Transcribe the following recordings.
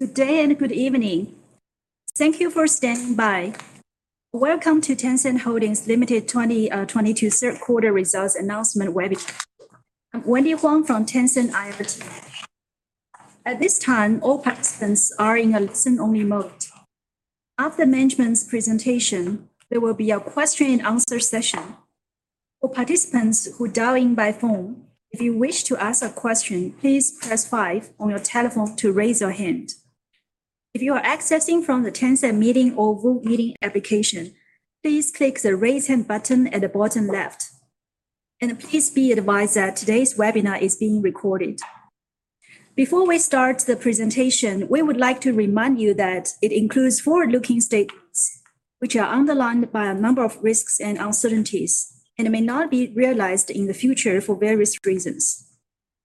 Good day and good evening. Thank you for standing by. Welcome to Tencent Holdings Limited 2022 third quarter results announcement webinar. I'm Wendy Huang from Tencent IR team. At this time, all participants are in a listen-only mode. After management's presentation, there will be a question and answer session. For participants who dial in by phone, if you wish to ask a question, please press five on your telephone to raise your hand. If you are accessing from the Tencent Meeting or Zoom Meeting application, please click the raise hand button at the bottom left. Please be advised that today's webinar is being recorded. Before we start the presentation, we would like to remind you that it includes forward-looking statements, which are subject to a number of risks and uncertainties, and it may not be realized in the future for various reasons.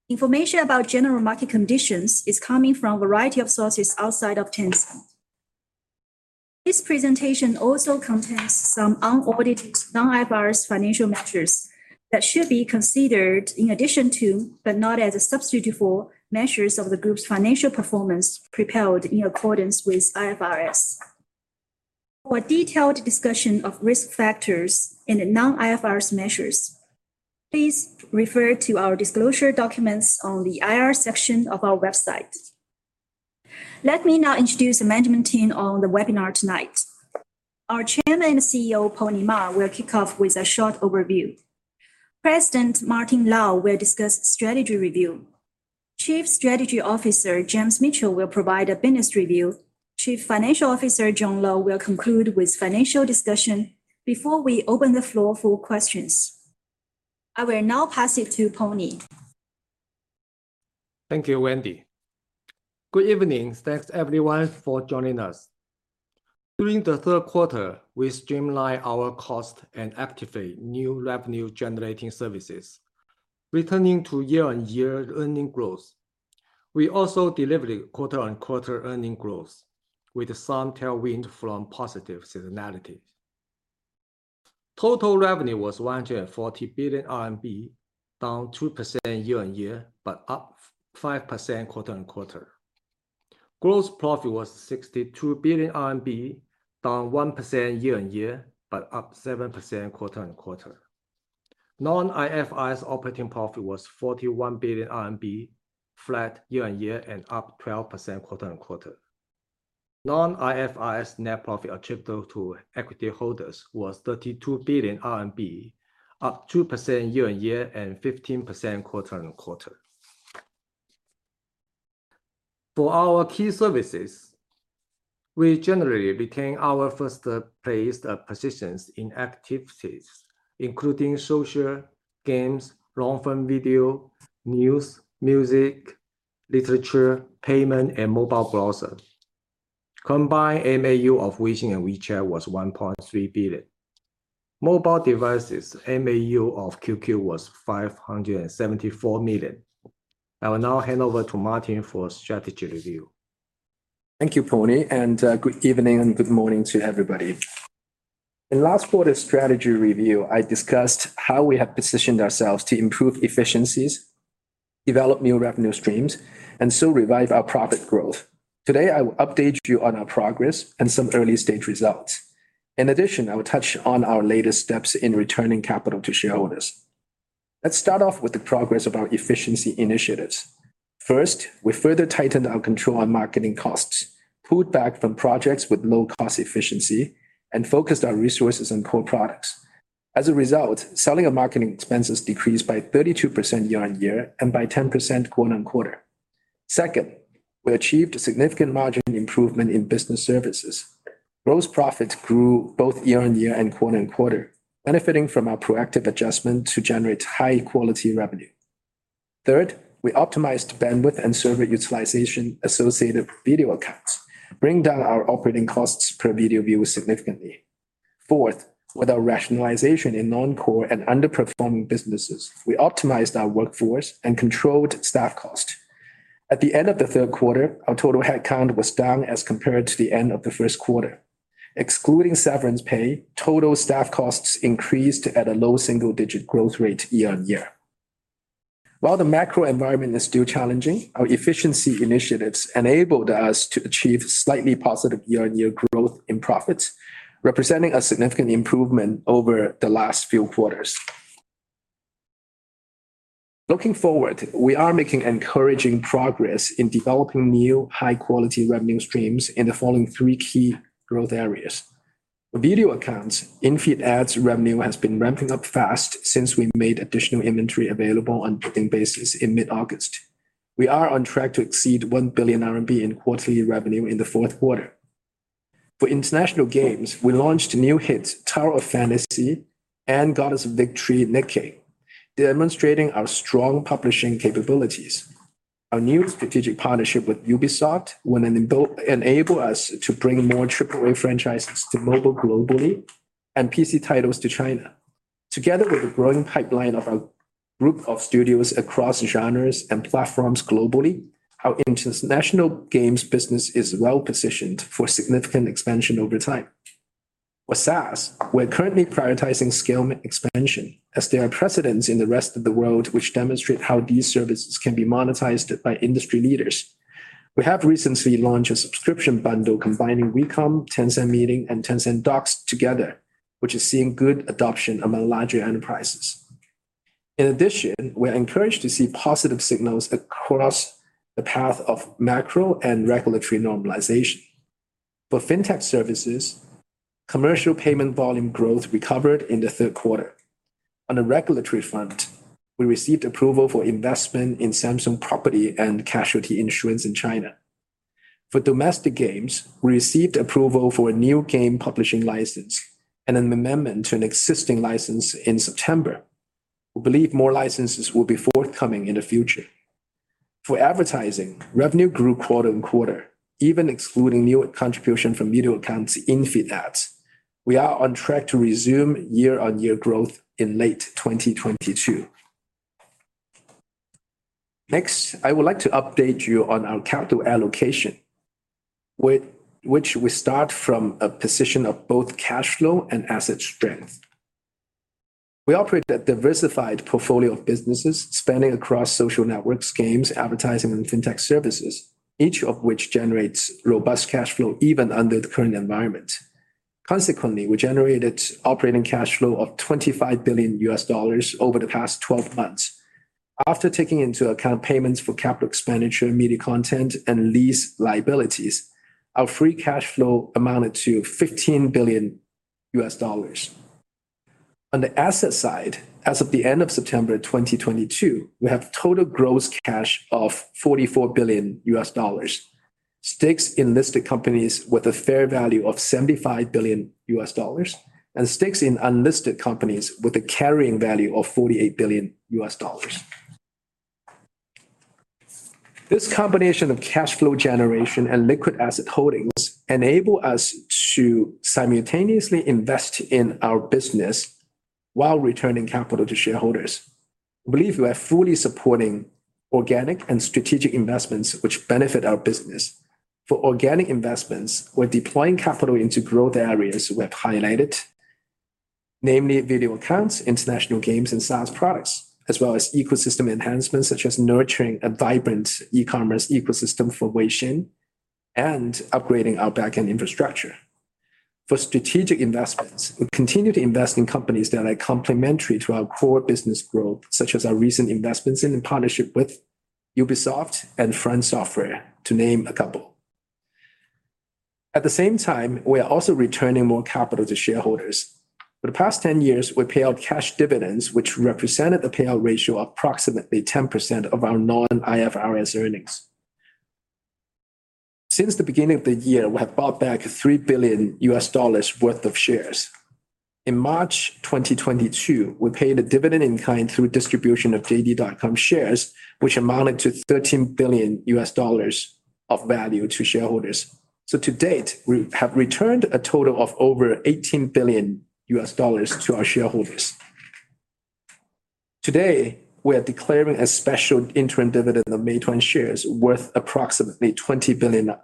Information about general market conditions is coming from a variety of sources outside of Tencent. This presentation also contains some unaudited non-IFRS financial measures that should be considered in addition to, but not as a substitute for measures of the group's financial performance prepared in accordance with IFRS. For detailed discussion of risk factors in the non-IFRS measures, please refer to our disclosure documents on the IR section of our website. Let me now introduce the management team on the webinar tonight. Our Chairman and CEO, Pony Ma, will kick off with a short overview. President Martin Lau will discuss strategy review. Chief Strategy Officer James Mitchell will provide a business review. Chief Financial Officer John Lo will conclude with financial discussion before we open the floor for questions. I will now pass it to Pony. Thank you, Wendy. Good evening. Thanks everyone for joining us. During the third quarter, we streamlined our costs and activated new revenue generating services, returning to year-on-year earnings growth. We also delivered quarter-on-quarter earnings growth with some tailwind from positive seasonality. Total revenue was 140 billion RMB, down 2% year-on-year, but up 5% quarter-on-quarter. Gross profit was 62 billion RMB, down 1% year-on-year, but up 7% quarter-on-quarter. Non-IFRS operating profit was 41 billion RMB, flat year-on-year and up 12% quarter-on-quarter. Non-IFRS net profit attributable to equity holders was 32 billion RMB, up 2% year-on-year and 15% quarter-on-quarter. For our key services, we generally retained our first-place positions in activities, including social, games, long-form video, news, music, literature, payment, and mobile browser. Combined MAU of WeChat and Weixin was 1.3 billion. Mobile devices MAU of QQ was 574 million. I will now hand over to Martin Lau for a strategy review. Thank you, Pony, and good evening and good morning to everybody. In last quarter's strategy review, I discussed how we have positioned ourselves to improve efficiencies, develop new revenue streams, and so revive our profit growth. Today, I will update you on our progress and some early-stage results. In addition, I will touch on our latest steps in returning capital to shareholders. Let's start off with the progress of our efficiency initiatives. First, we further tightened our control on marketing costs, pulled back from projects with low cost efficiency, and focused our resources on core products. As a result, selling and marketing expenses decreased by 32% year-on-year and by 10% quarter-on-quarter. Second, we achieved a significant margin improvement in business services. Gross profits grew both year-on-year and quarter-on-quarter, benefiting from our proactive adjustment to generate high-quality revenue. Third, we optimized bandwidth and server utilization associated with Video Accounts, bringing down our operating costs per video view significantly. Fourth, with our rationalization in non-core and underperforming businesses, we optimized our workforce and controlled staff cost. At the end of the third quarter, our total headcount was down as compared to the end of the first quarter. Excluding severance pay, total staff costs increased at a low single-digit growth rate year-on-year. While the macro environment is still challenging, our efficiency initiatives enabled us to achieve slightly positive year-on-year growth in profits, representing a significant improvement over the last few quarters. Looking forward, we are making encouraging progress in developing new high-quality revenue streams in the following three key growth areas. For Video Accounts, in-feed ads revenue has been ramping up fast since we made additional inventory available on putting basis in mid-August. We are on track to exceed 1 billion RMB in quarterly revenue in the fourth quarter. For international games, we launched new hits Tower of Fantasy and Goddess of Victory: Nikke, demonstrating our strong publishing capabilities. Our new strategic partnership with Ubisoft will enable us to bring more Triple-A franchises to mobile globally and PC titles to China. Together with a growing pipeline of our group of studios across genres and platforms globally, our international games business is well-positioned for significant expansion over time. For SaaS, we are currently prioritizing scale and expansion as there are precedents in the rest of the world which demonstrate how these services can be monetized by industry leaders. We have recently launched a subscription bundle combining WeCom, Tencent Meeting, and Tencent Docs together, which is seeing good adoption among larger enterprises. In addition, we are encouraged to see positive signals across the path of macro and regulatory normalization. For Fintech services, commercial payment volume growth recovered in the third quarter. On the regulatory front, we received approval for investment in Samsung Property & Casualty Insurance in China. For domestic games, we received approval for a new game publishing license and an amendment to an existing license in September. We believe more licenses will be forthcoming in the future. For advertising, revenue grew quarter-on-quarter, even excluding new contribution from Video Accounts in-feed ads. We are on track to resume year-on-year growth in late 2022. Next, I would like to update you on our capital allocation, which we start from a position of both cash flow and asset strength. We operate a diversified portfolio of businesses spanning across social networks, games, advertising, and Fintech services, each of which generates robust cash flow even under the current environment. Consequently, we generated operating cash flow of $25 billion over the past 12 months. After taking into account payments for capital expenditure, media content, and lease liabilities, our free cash flow amounted to $15 billion. On the asset side, as of the end of September 2022, we have total gross cash of $44 billion, stakes in listed companies with a fair value of $75 billion, and stakes in unlisted companies with a carrying value of $48 billion. This combination of cash flow generation and liquid asset holdings enable us to simultaneously invest in our business while returning capital to shareholders. We believe we are fully supporting organic and strategic investments which benefit our business. For organic investments, we are deploying capital into growth areas we have highlighted, namely Video Accounts, international games and SaaS products, as well as ecosystem enhancements such as nurturing a vibrant e-commerce ecosystem for Weixin and upgrading our backend infrastructure. For strategic investments, we continue to invest in companies that are complementary to our core business growth, such as our recent investments in and partnership with Ubisoft and FromSoftware, to name a couple. At the same time, we are also returning more capital to shareholders. For the past 10 years, we paid out cash dividends which represented a payout ratio of approximately 10% of our non-IFRS earnings. Since the beginning of the year, we have bought back $3 billion worth of shares. In March 2022, we paid a dividend in kind through distribution of JD.com shares, which amounted to $13 billion of value to shareholders. To date, we have returned a total of over $18 billion to our shareholders. Today, we are declaring a special interim dividend of Meituan shares worth approximately $20 billion,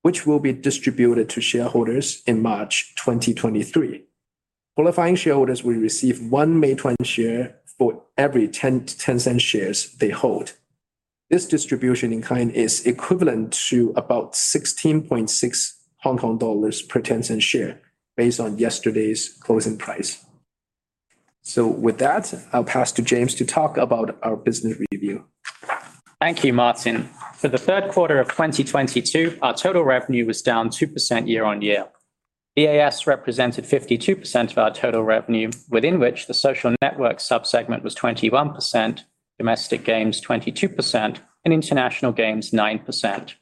which will be distributed to shareholders in March 2023. Qualifying shareholders will receive 1 Meituan share for every 10 Tencent shares they hold. This distribution in kind is equivalent to about 16.6 Hong Kong dollars per Tencent share based on yesterday's closing price. With that, I'll pass to James to talk about our business review. Thank you, Martin. For the third quarter of 2022, our total revenue was down 2% year-on-year. VAS represented 52% of our total revenue, within which the social network sub-segment was 21%, domestic games 22%, and international games 9%.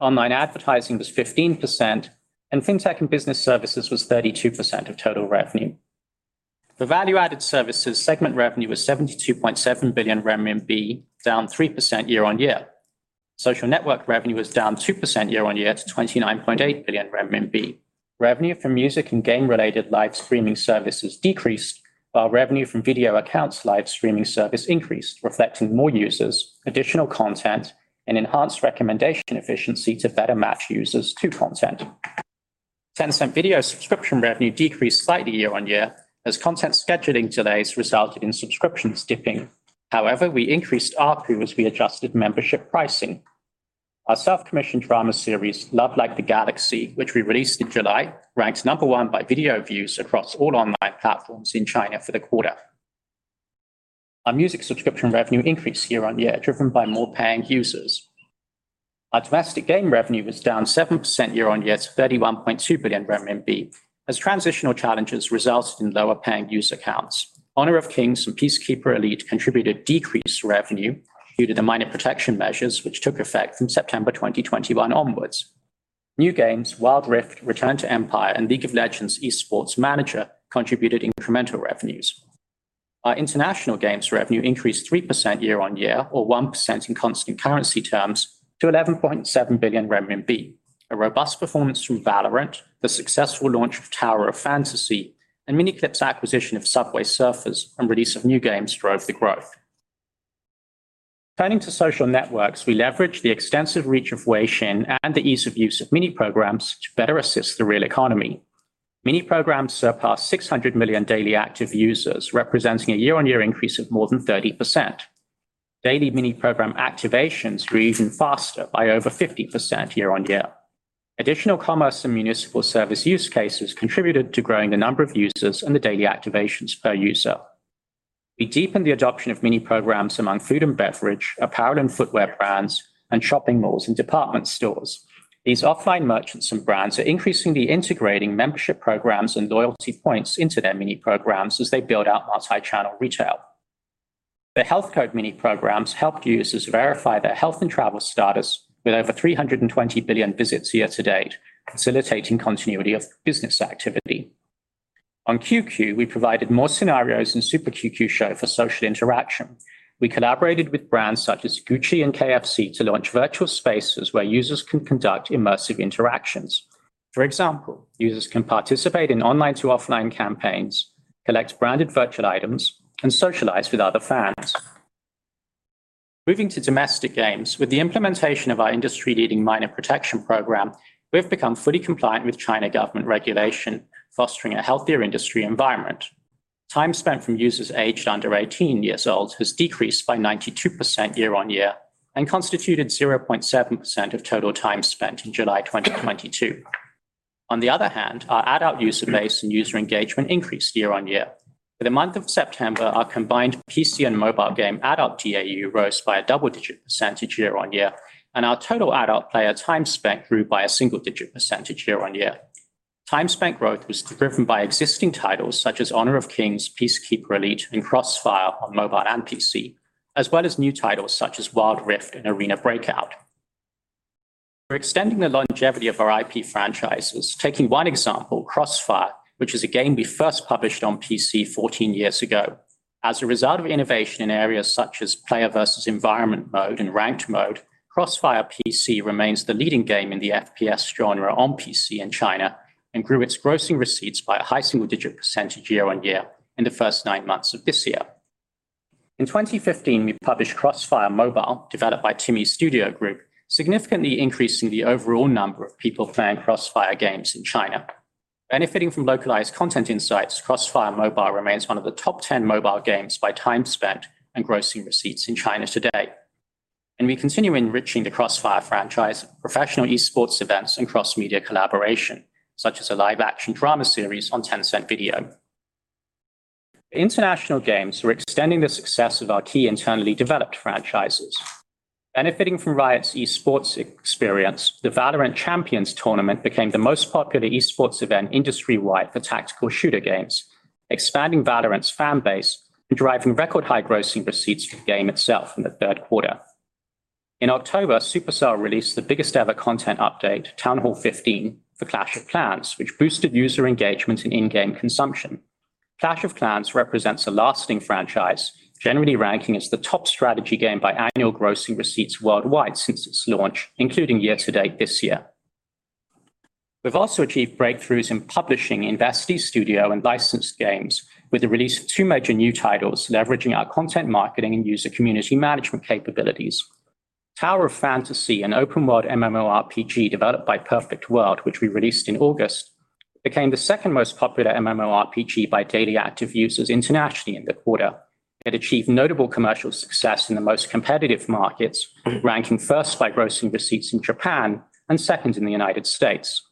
Online advertising was 15%, and Fintech and business services was 32% of total revenue. The value-added services segment revenue was 72.7 billion renminbi, down 3% year-on-year. Social network revenue was down 2% year-on-year to 29.8 billion renminbi. Revenue from music and game-related live streaming services decreased, while revenue from Video Accounts live streaming service increased, reflecting more users, additional content, and enhanced recommendation efficiency to better match users to content. Tencent Video subscription revenue decreased slightly year-on-year as content scheduling delays resulted in subscriptions dipping. However, we increased ARPU as we adjusted membership pricing. Our self-commissioned drama series, Love Like the Galaxy, which we released in July, ranks number one by video views across all online platforms in China for the quarter. Our music subscription revenue increased year-on-year, driven by more paying users. Our domestic game revenue was down 7% year-on-year to 31.2 billion RMB as transitional challenges resulted in lower paying user counts. Honor of Kings and Peacekeeper Elite contributed decreased revenue due to the minor protection measures which took effect from September 2021 onwards. New games Wild Rift, Return to Empire, and League of Legends Esports Manager contributed incremental revenues. Our international games revenue increased 3% year-on-year or 1% in constant currency terms to 11.7 billion renminbi. A robust performance from VALORANT, the successful launch of Tower of Fantasy, and Miniclip's acquisition of Subway Surfers and release of new games drove the growth. Turning to social networks, we leverage the extensive reach of Weixin and the ease of use of Mini Programs to better assist the real economy. Mini Programs surpass 600 million daily active users, representing a year-over-year increase of more than 30%. Daily Mini Program activations grew even faster by over 50% year-over-year. Additional commerce and municipal service use cases contributed to growing the number of users and the daily activations per user. We deepened the adoption of Mini Programs among food and beverage, apparel and footwear brands, and shopping malls and department stores. These offline merchants and brands are increasingly integrating membership programs and loyalty points into their Mini Programs as they build out multi-channel retail. The health code Mini Programs helped users verify their health and travel status with over 320 billion visits year-to-date, facilitating continuity of business activity. On QQ, we provided more scenarios in Super QQ Show for social interaction. We collaborated with brands such as Gucci and KFC to launch virtual spaces where users can conduct immersive interactions. For example, users can participate in online-to-offline campaigns, collect branded virtual items, and socialize with other fans. Moving to domestic games, with the implementation of our industry-leading minor protection program, we've become fully compliant with Chinese government regulation, fostering a healthier industry environment. Time spent from users aged under eighteen years old has decreased by 92% year-over-year and constituted 0.7% of total time spent in July 2022. On the other hand, our adult user base and user engagement increased year-over-year. For the month of September, our combined PC and mobile game adult DAU rose by a double-digit % year-on-year, and our total adult player time spent grew by a single-digit % year-on-year. Time spent growth was driven by existing titles such as Honor of Kings, Peacekeeper Elite, and CrossFire on mobile and PC, as well as new titles such as Wild Rift and Arena Breakout. We're extending the longevity of our IP franchises. Taking one example, CrossFire, which is a game we first published on PC 14 years ago. As a result of innovation in areas such as player versus environment mode and ranked mode, CrossFire PC remains the leading game in the FPS genre on PC in China and grew its grossing receipts by a high single-digit % year-on-year in the first 9 months of this year. In 2015, we published CrossFire Mobile, developed by TiMi Studio Group, significantly increasing the overall number of people playing CrossFire games in China. Benefiting from localized content insights, CrossFire Mobile remains one of the top 10 mobile games by time spent and grossing receipts in China today. We continue enriching the CrossFire franchise professional esports events and cross-media collaboration, such as a live-action drama series on Tencent Video. International games were extending the success of our key internally developed franchises. Benefiting from Riot's esports experience, the VALORANT Champions tournament became the most popular esports event industry-wide for tactical shooter games, expanding VALORANT's fan base and driving record high grossing receipts for the game itself in the third quarter. In October, Supercell released the biggest ever content update, Town Hall 15 for Clash of Clans, which boosted user engagement and in-game consumption. Clash of Clans represents a lasting franchise, generally ranking as the top strategy game by annual grossing receipts worldwide since its launch, including year-to-date this year. We've also achieved breakthroughs in publishing investee studio and licensed games with the release of two major new titles leveraging our content marketing and user community management capabilities. Tower of Fantasy, an open-world MMORPG developed by Perfect World, which we released in August, became the second most popular MMORPG by daily active users internationally in the quarter. It achieved notable commercial success in the most competitive markets, ranking first by grossing receipts in Japan and second in the United States.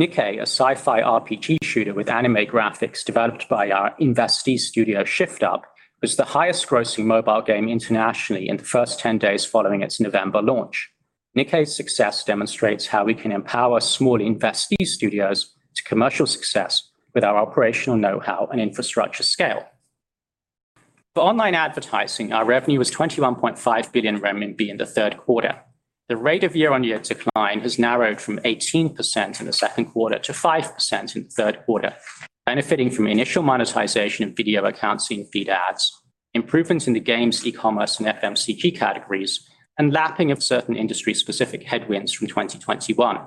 Nikke, a sci-fi RPG shooter with anime graphics developed by our investee studio, Shift Up, was the highest-grossing mobile game internationally in the first ten days following its November launch. Nikke's success demonstrates how we can empower small investee studios to commercial success with our operational know-how and infrastructure scale. For online advertising, our revenue was 21.5 billion RMB in the third quarter. The rate of year-on-year decline has narrowed from 18% in the second quarter to 5% in the third quarter, benefiting from initial monetization of Video Accounts in-feed ads, improvements in the games, e-commerce, and FMCG categories, and lapping of certain industry-specific headwinds from 2021.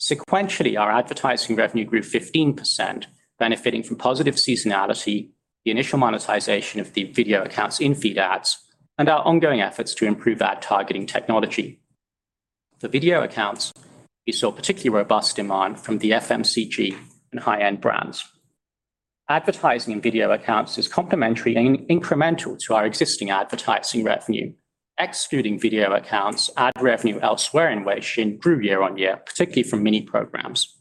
Sequentially, our advertising revenue grew 15%, benefiting from positive seasonality, the initial monetization of the Video Accounts in-feed ads, and our ongoing efforts to improve ad targeting technology. For Video Accounts, we saw particularly robust demand from the FMCG and high-end brands. Advertising in Video Accounts is complementary and incremental to our existing advertising revenue. Excluding Video Accounts, ad revenue elsewhere in Weixin grew year-over-year, particularly from Mini Programs.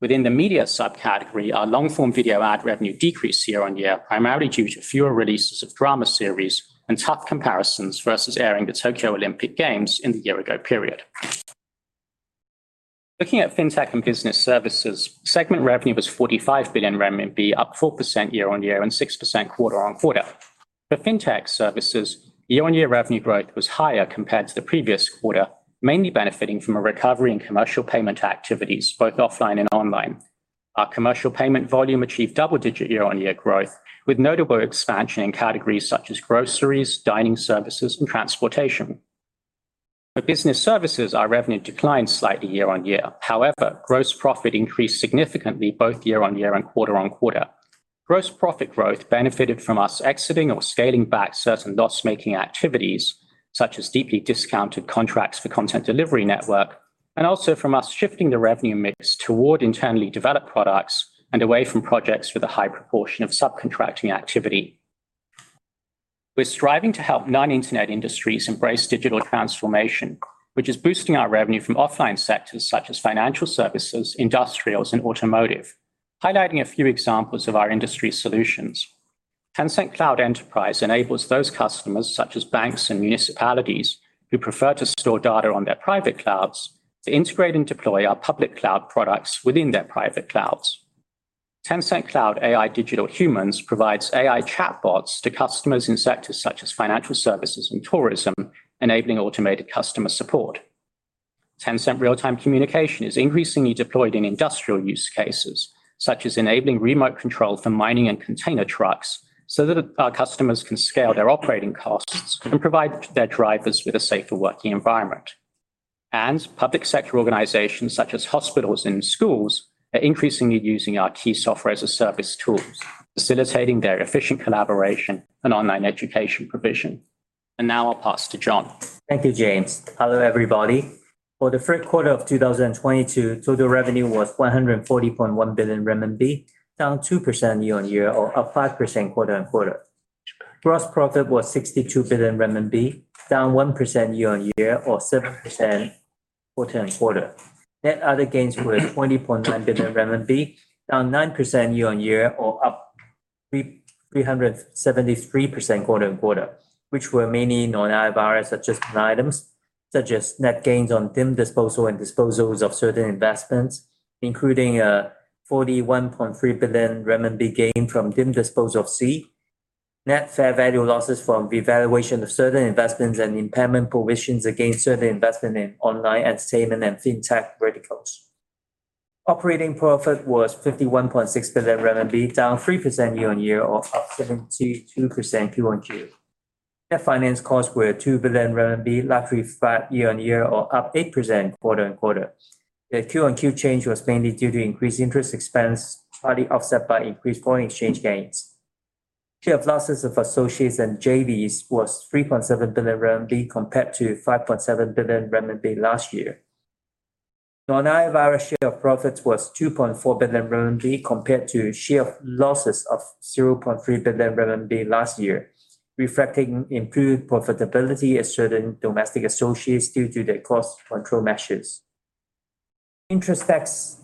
Within the media subcategory, our long-form video ad revenue decreased year-over-year, primarily due to fewer releases of drama series and tough comparisons versus airing the Tokyo Olympic Games in the year-ago period. Looking at fintech and business services, segment revenue was 45 billion renminbi, up 4% year-over-year and 6% quarter-over-quarter. For fintech services, year-over-year revenue growth was higher compared to the previous quarter, mainly benefiting from a recovery in commercial payment activities, both offline and online. Our commercial payment volume achieved double-digit year-over-year growth, with notable expansion in categories such as groceries, dining services, and transportation. For business services, our revenue declined slightly year-over-year. However, gross profit increased significantly both year-over-year and quarter-over-quarter. Gross profit growth benefited from us exiting or scaling back certain loss-making activities, such as deeply discounted contracts for content delivery network, and also from us shifting the revenue mix toward internally developed products and away from projects with a high proportion of subcontracting activity. We're striving to help non-internet industries embrace digital transformation, which is boosting our revenue from offline sectors such as financial services, industrials, and automotive. Highlighting a few examples of our industry solutions. Tencent Cloud Enterprise enables those customers, such as banks and municipalities, who prefer to store data on their private clouds to integrate and deploy our public cloud products within their private clouds. Tencent Cloud AI Digital Humans provides AI chatbots to customers in sectors such as financial services and tourism, enabling automated customer support. Tencent Real-Time Communication is increasingly deployed in industrial use cases, such as enabling remote control for mining and container trucks so that our customers can scale their operating costs and provide their drivers with a safer working environment. Public sector organizations such as hospitals and schools are increasingly using our key software-as-a-service tools, facilitating their efficient collaboration and online education provision. Now I'll pass to John. Thank you, James. Hello, everybody. For the third quarter of 2022, total revenue was 140.1 billion RMB, down 2% year-on-year or up 5% quarter-on-quarter. Gross profit was 62 billion RMB, down 1% year-on-year or 7% quarter-on-quarter. Net other gains were 20.9 billion RMB, down 9% year-on-year or up 373% quarter-on-quarter, which were mainly non-IFRS adjustment items, such as net gains on deemed disposal and disposals of certain investments, including a 41.3 billion renminbi gain from deemed disposal of Sea, net fair value losses from the revaluation of certain investments and impairment provisions against certain investment in online entertainment and fintech verticals. Operating profit was 51.6 billion RMB, down 3% year-on-year or up 72% quarter-on-quarter. Net finance costs were 2 billion RMB, largely flat year-on-year or up 8% quarter-on-quarter. The QoQ change was mainly due to increased interest expense, partly offset by increased foreign exchange gains. Share of losses of associates and JVs was 3.7 billion RMB compared to 5.7 billion RMB last year. Non-IFRS share of profits was 2.4 billion RMB compared to share of losses of 0.3 billion RMB last year, reflecting improved profitability at certain domestic associates due to their cost control measures. Income tax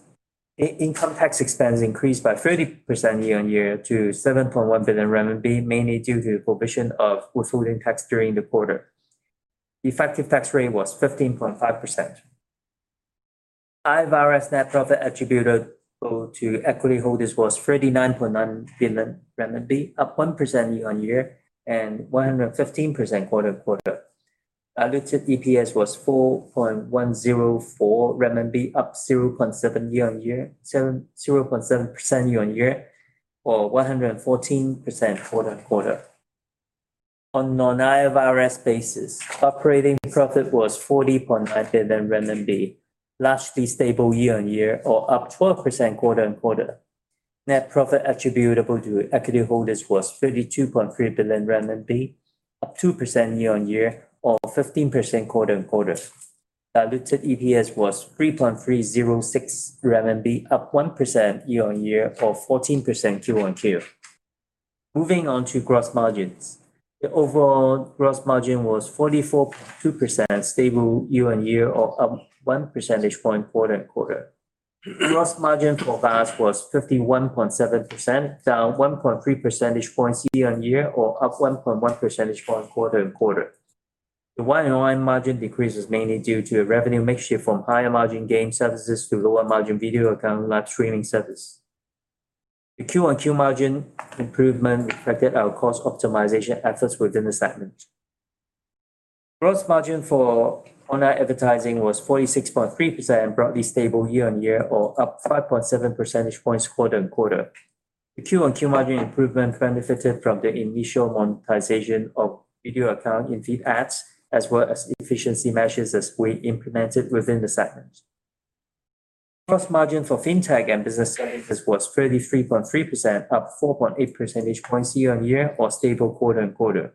expense increased by 30% year-on-year to 7.1 billion RMB, mainly due to the provision of withholding tax during the quarter. The effective tax rate was 15.5%. IFRS net profit attributable to equity holders was 39.9 billion renminbi, up 1% year-on-year and 115% quarter-on-quarter. Diluted EPS was 4.104 RMB, up 0.7% year-on-year or 114% quarter-on-quarter. On non-IFRS basis, operating profit was 40.9 billion RMB, largely stable year-on-year or up 12% quarter-on-quarter. Net profit attributable to equity holders was 32.3 billion RMB, up 2% year-on-year or 15% quarter-on-quarter. Diluted EPS was 3.306 RMB, up 1% year-on-year or 14% quarter-on-quarter. Moving on to gross margins. The overall gross margin was 44.2%, stable year-on-year or up 1 percentage point quarter-on-quarter. Gross margin for VAS was 51.7%, down 1.3 percentage points year-over-year or up 1.1 percentage points quarter-over-quarter. The YoY margin decrease is mainly due to a revenue mix shift from higher margin game services to lower margin Video Accounts live streaming service. The QoQ margin improvement reflected our cost optimization efforts within the segment. Gross margin for online advertising was 46.3%, broadly stable year-over-year or up 5.7 percentage points quarter-over-quarter. The QoQ margin improvement benefited from the initial monetization of Video Accounts in-feed ads, as well as efficiency measures we implemented within the segment. Gross margin for fintech and business services was 33.3%, up 4.8 percentage points year-over-year or stable quarter-over-quarter.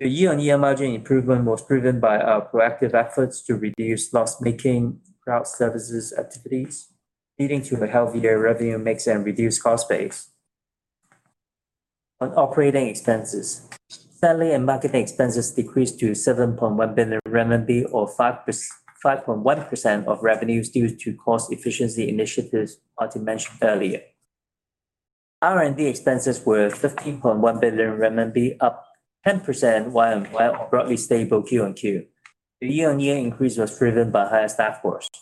The year-over-year margin improvement was driven by our proactive efforts to reduce loss-making cloud services activities, leading to a healthier revenue mix and reduced cost base. On operating expenses, salary and marketing expenses decreased to 7.1 billion RMB, or 5.1% of revenues due to cost efficiency initiatives Martin Lau mentioned earlier. R&D expenses were 15.1 billion RMB, up 10% YoY, or broadly stable QoQ. The year-over-year increase was driven by higher staff costs.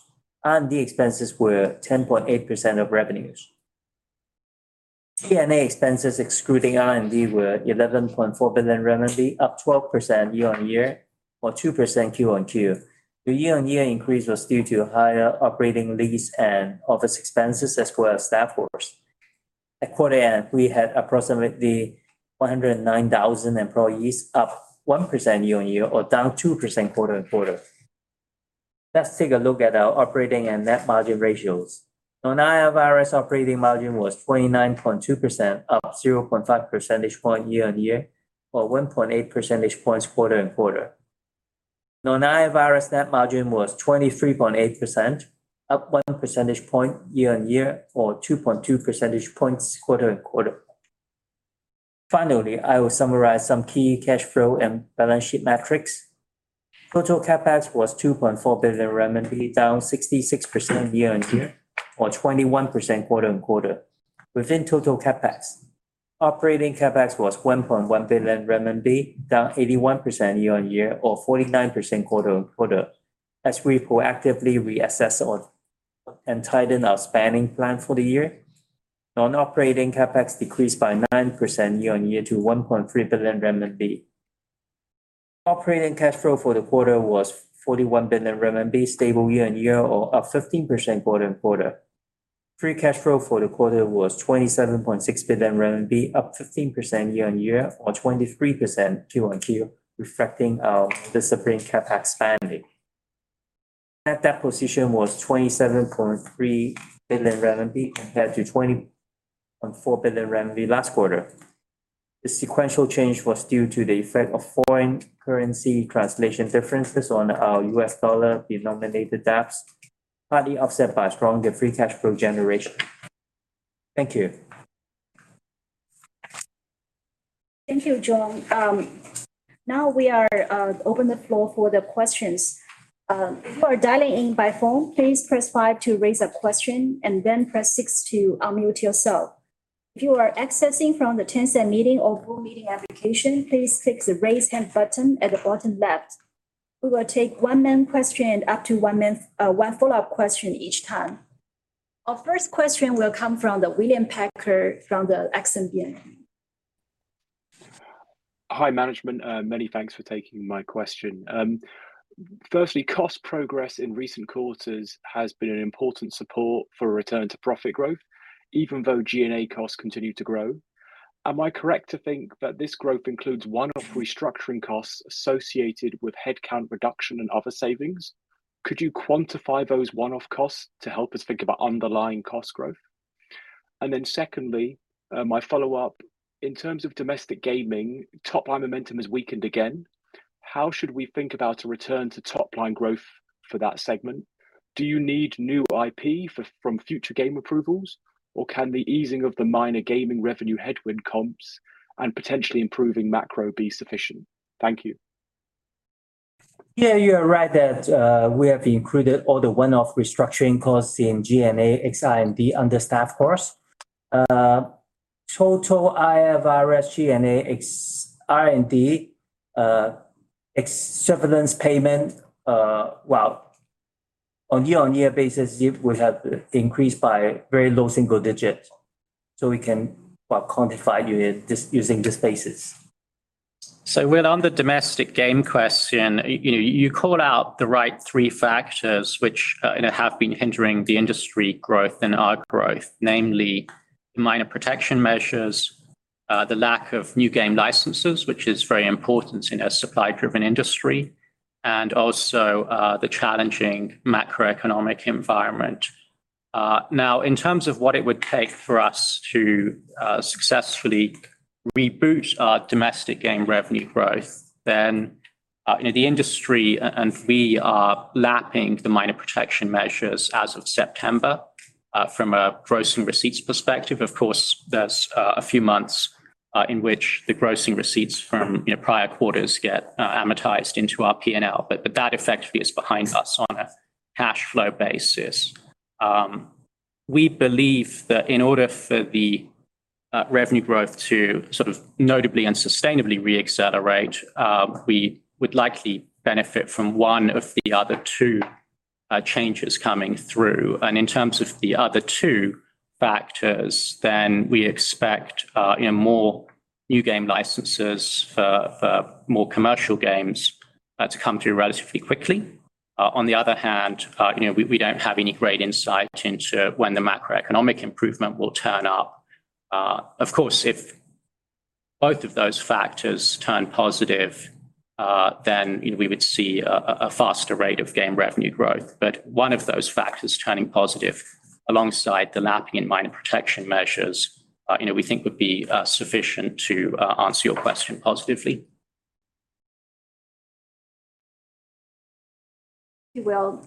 R&D expenses were 10.8% of revenues. G&A expenses excluding R&D were 11.4 billion renminbi, up 12% year-over-year or 2% QoQ. The year-over-year increase was due to higher operating lease and office expenses as well as staff costs. At quarter end, we had approximately 109,000 employees, up 1% year-over-year or down 2% quarter-over-quarter. Let's take a look at our operating and net margin ratios. Non-IFRS operating margin was 29.2%, up 0.5 percentage point year-over-year, or 1.8 percentage points quarter-over-quarter. Non-IFRS net margin was 23.8%, up 1 percentage point year-over-year or 2.2 percentage points quarter-over-quarter. Finally, I will summarize some key cash flow and balance sheet metrics. Total CapEx was 2.4 billion RMB, down 66% year-over-year or 21% quarter-over-quarter. Within total CapEx, operating CapEx was 1.1 billion renminbi, down 81% year-on-year or 49% quarter-on-quarter. As we proactively reassess and tighten our spending plan for the year, non-operating CapEx decreased by 9% year-on-year to 1.3 billion RMB. Operating cash flow for the quarter was 41 billion RMB, stable year-on-year or up 15% quarter-on-quarter. Free Cash Flow for the quarter was 27.6 billion RMB, up 15% year-on-year or 23% QoQ, reflecting our disciplined CapEx spending. Net debt position was 27.3 billion RMB compared to 20.4 billion RMB last quarter. The sequential change was due to the effect of foreign currency translation differences on our U.S. dollar-denominated debts, partly offset by stronger free cash flow generation. Thank you. Thank you, John. Now we are open the floor for the questions. If you are dialing in by phone, please press five to raise a question and then press six to unmute yourself. If you are accessing from the Tencent Meeting or VooV Meeting application, please click the Raise Hand button at the bottom left. We will take one main question, up to one main, one follow-up question each time. Our first question will come from William Packer from Exane BNP Paribas. Hi, management. Many thanks for taking my question. Firstly, cost progress in recent quarters has been an important support for a return to profit growth, even though G&A costs continue to grow. Am I correct to think that this growth includes one-off restructuring costs associated with headcount reduction and other savings? Could you quantify those one-off costs to help us think about underlying cost growth? Secondly, my follow-up, in terms of domestic gaming, top-line momentum has weakened again. How should we think about a return to top-line growth for that segment? Do you need new IP from future game approvals, or can the easing of the minor gaming revenue headwind comps and potentially improving macro be sufficient? Thank you. Yeah, you are right that we have included all the one-off restructuring costs in G&A ex R&D under staff costs. Total IFRS G&A ex R&D severance payment, well, on year-over-year basis, it would have increased by very low single digit. We can, well, quantify it using this basis. Will, on the domestic game question, you know, you called out the right three factors which, you know, have been hindering the industry growth and our growth, namely minors protection measures, the lack of new game licenses, which is very important in a supply-driven industry, and also the challenging macroeconomic environment. Now, in terms of what it would take for us to successfully reboot our domestic game revenue growth, then, you know, the industry and we are lapping the minors protection measures as of September from a gross receipts perspective. Of course, there's a few months in which the gross receipts from prior quarters get amortized into our P&L, but that effectively is behind us on a cash flow basis. We believe that in order for the revenue growth to sort of notably and sustainably re-accelerate, we would likely benefit from one of the other two changes coming through. In terms of the other two factors, then we expect, you know, more new game licenses for more commercial games to come through relatively quickly. On the other hand, you know, we don't have any great insight into when the macroeconomic improvement will turn up. Of course, if both of those factors turn positive, then, you know, we would see a faster rate of game revenue growth. One of those factors turning positive alongside the lapping in minor protection measures, you know, we think would be sufficient to answer your question positively. Well,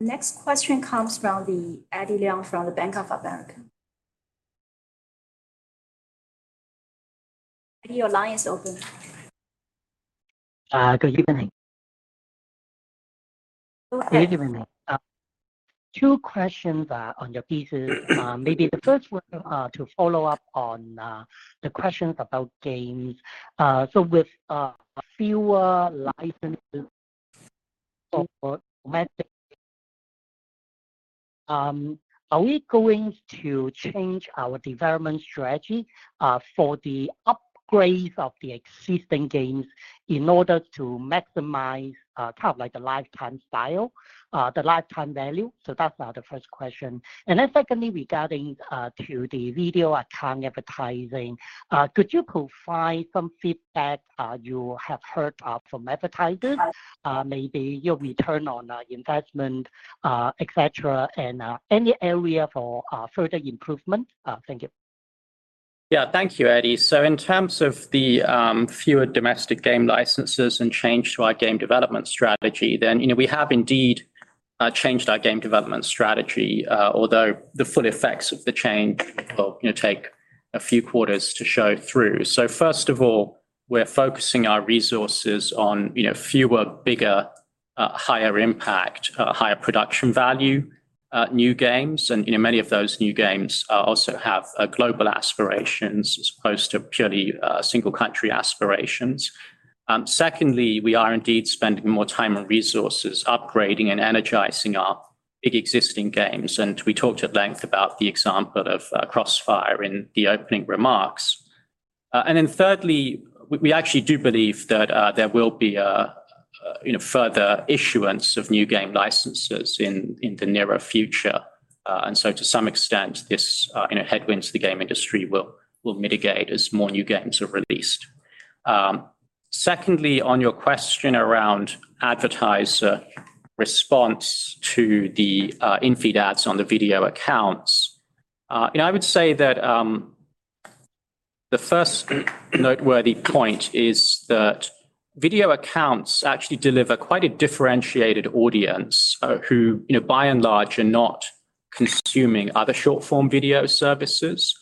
next question comes from Edward Leung from Bank of America. Eddie, your line is open. Good evening. Go ahead. Good evening. Two questions on your pieces. Maybe the first one to follow up on the questions about games. With fewer licenses for domestic, are we going to change our development strategy for the upgrade of the existing games in order to maximize kind of like the lifetime value? That's now the first question. Secondly, regarding to the Video Accounts advertising, could you provide some feedback you have heard from advertisers? Yes. Maybe your return on investment, et cetera, and any area for further improvement. Thank you. Yeah. Thank you, Eddie. In terms of the fewer domestic game licenses and change to our game development strategy, then, you know, we have indeed changed our game development strategy, although the full effects of the change will, you know, take a few quarters to show through. First of all, we're focusing our resources on, you know, fewer, bigger, higher impact, higher production value, new games. You know, many of those new games also have global aspirations as opposed to purely single country aspirations. Secondly, we are indeed spending more time and resources upgrading and energizing our big existing games, and we talked at length about the example of CrossFire in the opening remarks. Thirdly, we actually do believe that, you know, further issuance of new game licenses in the near future. To some extent, this, you know, headwinds to the game industry will mitigate as more new games are released. Secondly, on your question around advertiser response to the in-feed ads on the Video Accounts, you know, I would say that the first noteworthy point is that Video Accounts actually deliver quite a differentiated audience, who, you know, by and large are not consuming other short-form video services.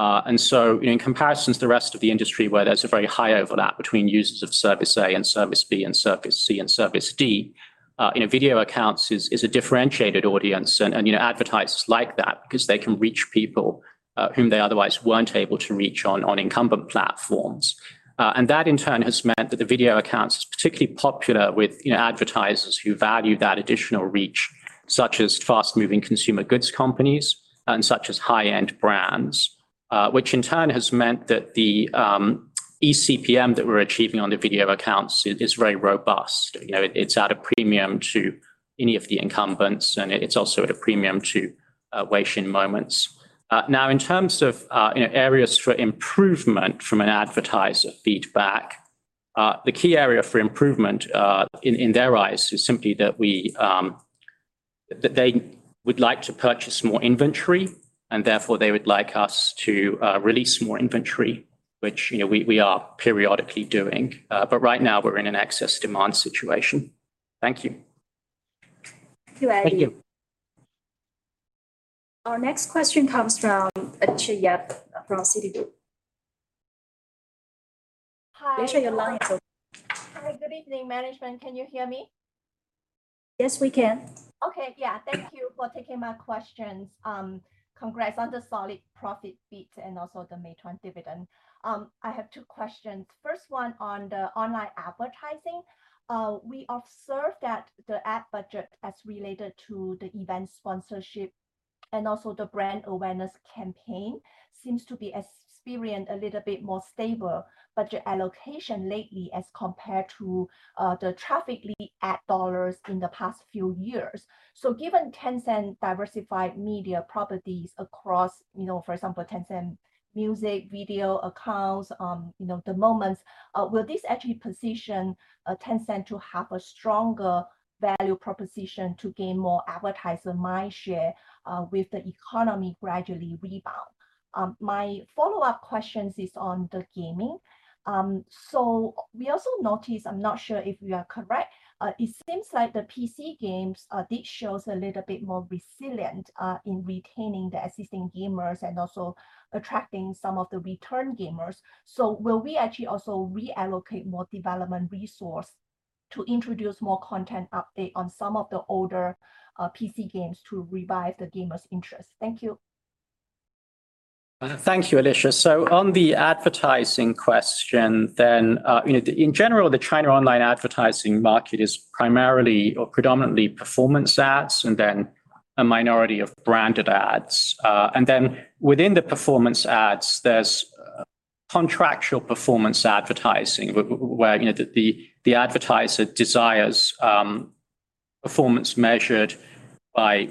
In comparisons to the rest of the industry where there's a very high overlap between users of service A and service B and service C and service D, you know, Video Accounts is a differentiated audience, and you know, advertisers like that because they can reach people whom they otherwise weren't able to reach on incumbent platforms. That in turn has meant that Video Accounts is particularly popular with, you know, advertisers who value that additional reach, such as fast-moving consumer goods companies and such as high-end brands. Which in turn has meant that the ECPM that we're achieving on Video Accounts is very robust. You know, it's at a premium to any of the incumbents, and it's also at a premium to Weixin Moments. Now in terms of, you know, areas for improvement from an advertiser feedback, the key area for improvement in their eyes is simply that we, that they would like to purchase more inventory, and therefore, they would like us to release more inventory, which, you know, we are periodically doing. Right now, we're in an excess demand situation. Thank you. Thank you, Eddie. Thank you. Our next question comes from Alicia Yap from Citi. Hi. Make sure your line is open. Hi. Good evening, management. Can you hear me? Yes, we can. Okay. Yeah. Thank you for taking my questions. Congrats on the solid profit beat and also the Meituan dividend. I have two questions. First one on the online advertising. We observed that the ad budget as related to the event sponsorship and also the brand awareness campaign seems to be experienced a little bit more stable budget allocation lately as compared to the traffic lead ad dollars in the past few years. Given Tencent diversified media properties across, you know, for example, Tencent Music, Video Accounts, you know, the moments, will this actually position Tencent to have a stronger value proposition to gain more advertiser mind share with the economy gradually rebound? My follow-up questions is on the gaming. We also notice, I'm not sure if we are correct, it seems like the PC games did show a little bit more resilient in retaining the existing gamers and also attracting some of the return gamers. Will we actually also reallocate more development resource to introduce more content update on some of the older PC games to revive the gamers' interest? Thank you. Thank you, Alicia. On the advertising question, you know, in general, the China online advertising market is primarily or predominantly performance ads and then a minority of branded ads. Within the performance ads, there's contractual performance advertising where, you know, the advertiser desires performance measured by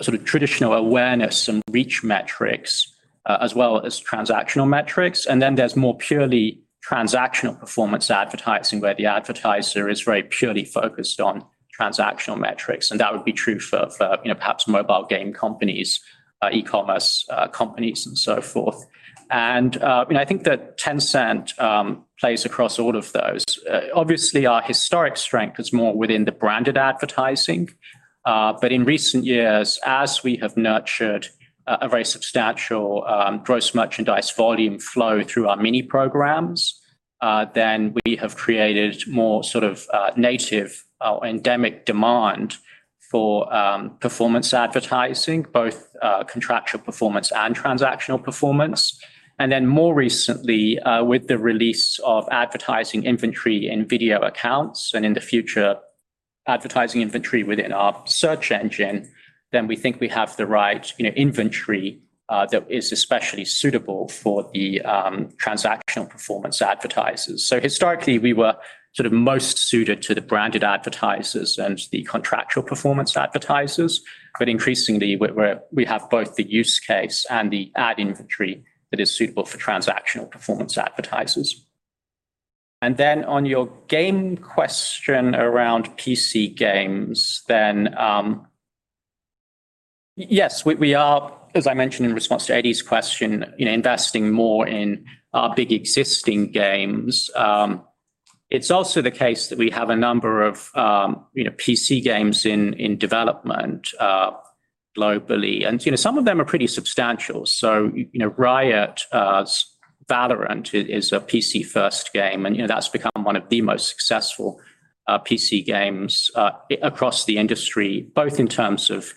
sort of traditional awareness and reach metrics as well as transactional metrics. There's more purely transactional performance advertising, where the advertiser is very purely focused on transactional metrics, and that would be true for, you know, perhaps mobile game companies, e-commerce companies and so forth. You know, I think that Tencent plays across all of those. Obviously, our historic strength is more within the branded advertising. In recent years, as we have nurtured a very substantial gross merchandise volume flow through our Mini Programs, we have created more sort of native or endemic demand for performance advertising, both contractual performance and transactional performance. More recently, with the release of advertising inventory in Video Accounts and in the future. Advertising inventory within our search engine, then we think we have the right, you know, inventory, that is especially suitable for the, transactional performance advertisers. Historically, we were sort of most suited to the branded advertisers and the contractual performance advertisers. Increasingly we have both the use case and the ad inventory that is suitable for transactional performance advertisers. On your game question around PC games, yes, we are, as I mentioned in response to Eddie's question, you know, investing more in our big existing games. It's also the case that we have a number of, you know, PC games in development, globally. You know, some of them are pretty substantial. Riot VALORANT is a PC-first game, and that's become one of the most successful PC games across the industry, both in terms of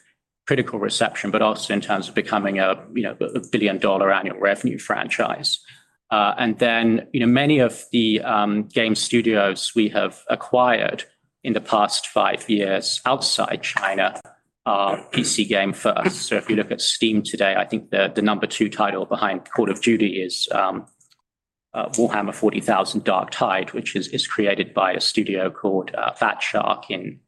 critical reception, but also in terms of becoming a billion-dollar annual revenue franchise. Many of the game studios we have acquired in the past five years outside China are PC game first. If you look at Steam today, I think the number two title behind Call of Duty is Warhammer 40,000: Darktide, which is created by a studio called Fatshark in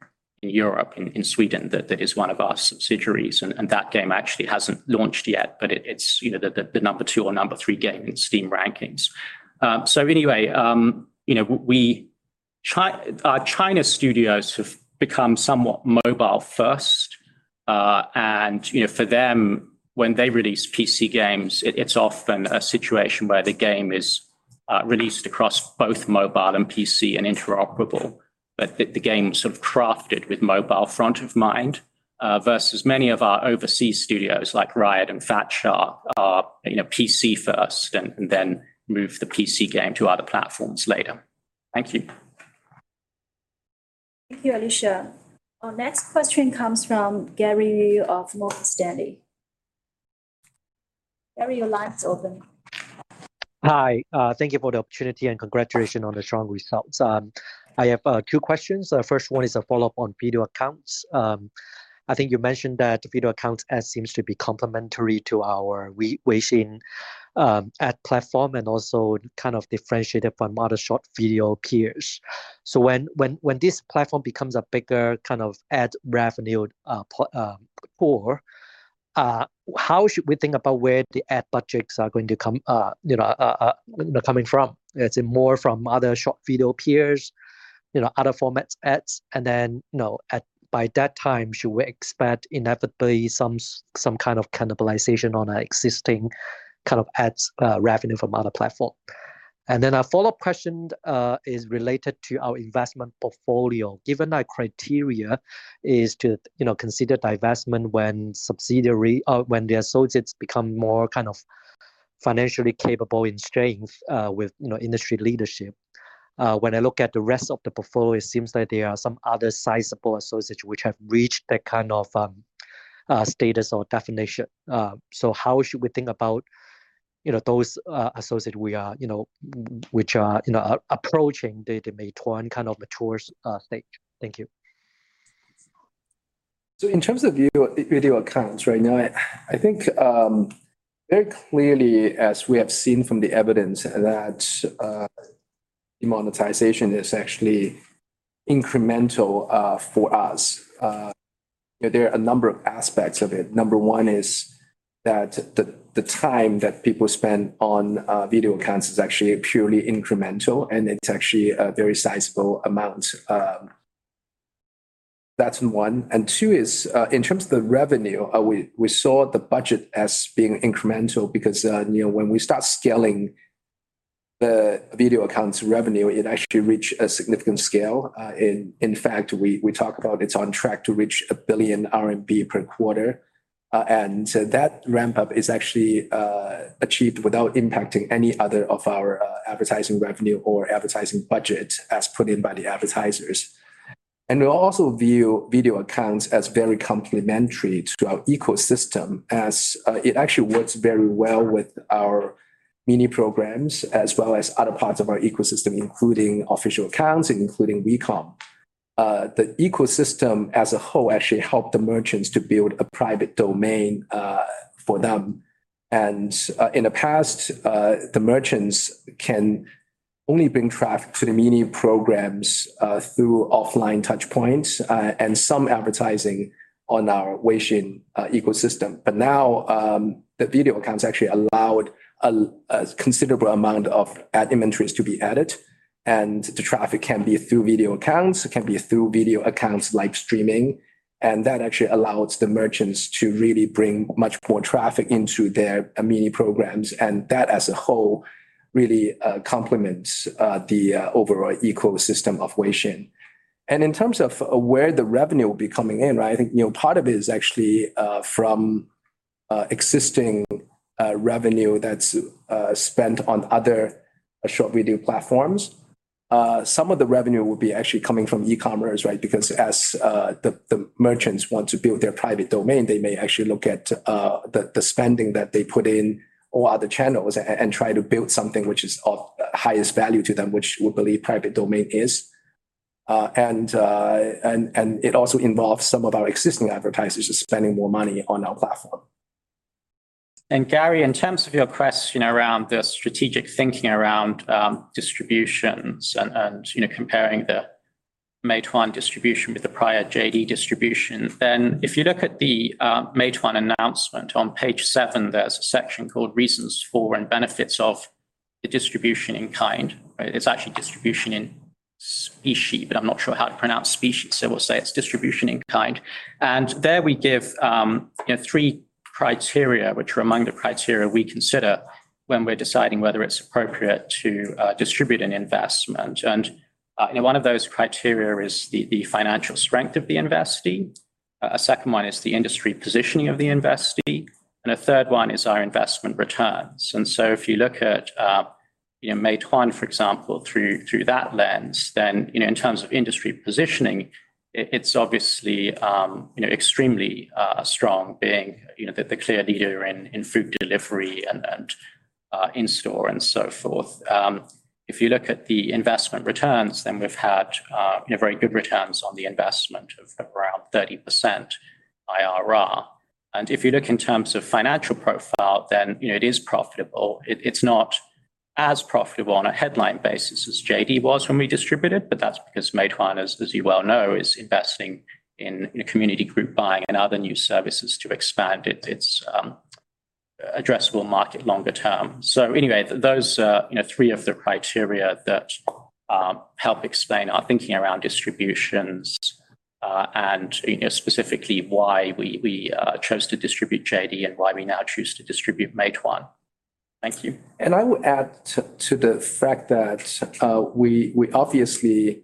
Europe, in Sweden that is one of our subsidiaries. That game actually hasn't launched yet, but it's the number two or number three game in Steam rankings. China studios have become somewhat mobile first, and, you know, for them, when they release PC games, it's often a situation where the game is released across both mobile and PC and interoperable. The game sort of crafted with mobile front of mind, versus many of our overseas studios like Riot and Fatshark are, you know, PC first and then move the PC game to other platforms later. Thank you. Thank you, Alicia. Our next question comes from Gary of Morgan Stanley. Gary, your line's open. Hi. Thank you for the opportunity, and congratulations on the strong results. I have two questions. The first one is a follow-up on Video Accounts. I think you mentioned that Video Accounts seems to be complementary to our Weixin ad platform and also kind of differentiated from other short video peers. When this platform becomes a bigger kind of ad revenue pool, how should we think about where the ad budgets are going to come, you know, coming from? Is it more from other short video peers, you know, other formats ads? You know, by that time, should we expect inevitably some kind of cannibalization on our existing kind of ad revenue from other platform? A follow-up question is related to our investment portfolio. Given our criteria is to, you know, consider divestment when subsidiary or when the associates become more kind of financially capable in strength, with, you know, industry leadership. When I look at the rest of the portfolio, it seems like there are some other sizable associates which have reached that kind of status or definition. How should we think about, you know, those associates we are, you know, which are, you know, approaching the Meituan kind of mature state? Thank you. In terms of video, Video Accounts right now, I think very clearly, as we have seen from the evidence, that monetization is actually incremental for us. There are a number of aspects of it. Number one is that the time that people spend on Video Accounts is actually purely incremental, and it's actually a very sizable amount. That's one. Two is, in terms of the revenue, we saw the budget as being incremental because, you know, when we start scaling the Video Accounts revenue, it actually reach a significant scale. In fact, we talk about it's on track to reach 1 billion RMB per quarter. That ramp-up is actually achieved without impacting any other of our advertising revenue or advertising budget as put in by the advertisers. We also view Video Accounts as very complementary to our ecosystem as it actually works very well with our Mini Programs as well as other parts of our ecosystem, including Official Accounts, including WeCom. The ecosystem as a whole actually help the merchants to build a private domain for them. In the past, the merchants can only bring traffic to the Mini Programs through offline touchpoints and some advertising on our Weixin ecosystem. Now, the Video Accounts actually allowed a considerable amount of ad inventories to be added, and the traffic can be through Video Accounts, it can be through Video Accounts live streaming, and that actually allows the merchants to really bring much more traffic into their Mini Programs, and that as a whole really complements the overall ecosystem of Weixin. In terms of where the revenue will be coming in, right, I think, you know, part of it is actually from existing revenue that's spent on other short video platforms. Some of the revenue will be actually coming from e-commerce, right? Because as the merchants want to build their private domain, they may actually look at the spending that they put in all other channels and try to build something which is of. Highest value to them, which we believe private domain is. It also involves some of our existing advertisers just spending more money on our platform. Gary, in terms of your question around the strategic thinking around distributions and, you know, comparing the Meituan distribution with the prior JD distribution, then if you look at the Meituan announcement on page seven, there's a section called Reasons For And Benefits Of The Distribution In Kind, right? It's actually distribution in specie, but I'm not sure how to pronounce specie, so we'll say it's distribution in kind. There we give, you know, three criteria, which are among the criteria we consider when we're deciding whether it's appropriate to distribute an investment. You know, one of those criteria is the financial strength of the investee. A second one is the industry positioning of the investee, and a third one is our investment returns. If you look at, you know, Meituan for example, through that lens, then, you know, in terms of industry positioning, it's obviously, you know, extremely strong being, you know, the clear leader in food delivery and in-store and so forth. If you look at the investment returns, then we've had, you know, very good returns on the investment of around 30% IRR. If you look in terms of financial profile, then, you know, it is profitable. It's not as profitable on a headline basis as JD was when we distributed, but that's because Meituan, as you well know, is investing in community group buying and other new services to expand its addressable market longer term. Anyway, those are, you know, three of the criteria that help explain our thinking around distributions, and, you know, specifically why we chose to distribute JD and why we now choose to distribute Meituan. Thank you. I would add to the fact that we obviously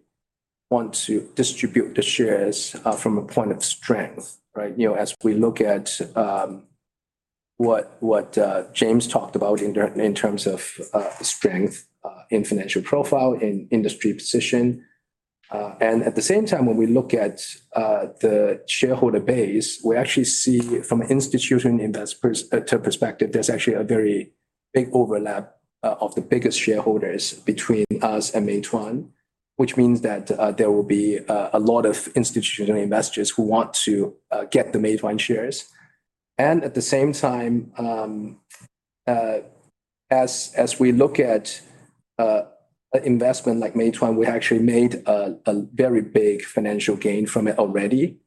want to distribute the shares from a point of strength, right? You know, as we look at what James talked about in terms of strength in financial profile, in industry position. At the same time, when we look at the shareholder base, we actually see from an institutional investor's perspective, there's actually a very big overlap of the biggest shareholders between us and Meituan, which means that there will be a lot of institutional investors who want to get the Meituan shares. At the same time, as we look at investment like Meituan, we actually made a very big financial gain from it already.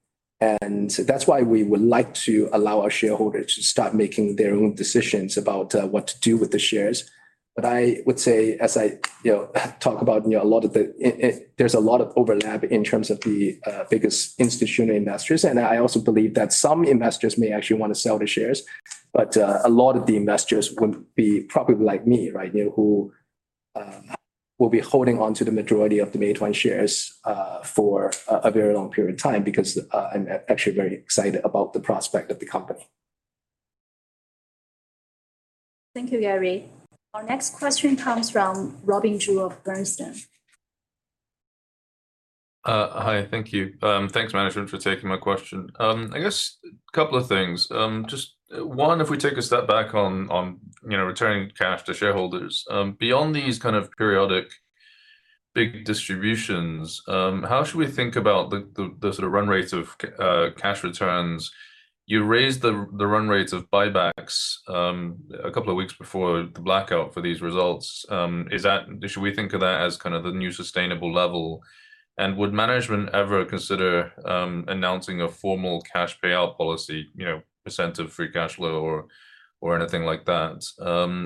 That's why we would like to allow our shareholders to start making their own decisions about what to do with the shares. I would say, as I talk about, you know, there's a lot of overlap in terms of the biggest institutional investors. I also believe that some investors may actually want to sell the shares. A lot of the investors would be probably like me, right? You know, who will be holding onto the majority of the Meituan shares for a very long period of time because I'm actually very excited about the prospect of the company. Thank you, Gary. Our next question comes from Robin Zhu of Bernstein. Hi. Thank you. Thanks management for taking my question. I guess a couple of things. Just one, if we take a step back on, you know, returning cash to shareholders, beyond these kind of periodic big distributions, how should we think about the sort of run rate of cash returns? You raised the run rates of buybacks a couple of weeks before the blackout for these results. Is that. Should we think of that as kind of the new sustainable level? And would management ever consider announcing a formal cash payout policy, you know, percent of free cash flow or anything like that?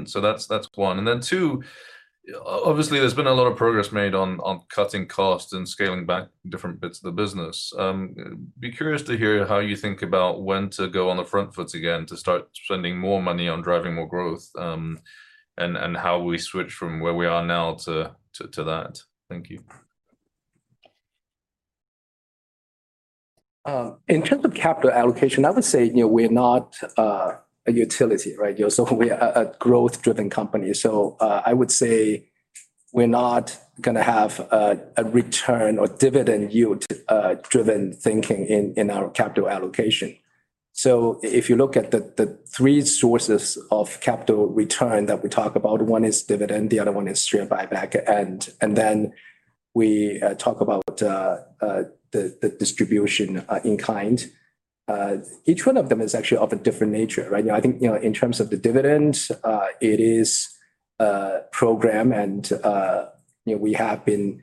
So that's one. And then two, obviously there's been a lot of progress made on cutting costs and scaling back different bits of the business. Be curious to hear how you think about when to go on the front foot again to start spending more money on driving more growth, and how we switch from where we are now to that. Thank you. In terms of capital allocation, I would say, you know, we're not a utility, right? You know, we are a growth-driven company. I would say we're not gonna have a return or dividend yield driven thinking in our capital allocation. If you look at the three sources of capital return that we talk about, one is dividend, the other one is share buyback, and then we talk about the distribution in kind. Each one of them is actually of a different nature, right? You know, I think, you know, in terms of the dividend, it is a program and, you know, we have been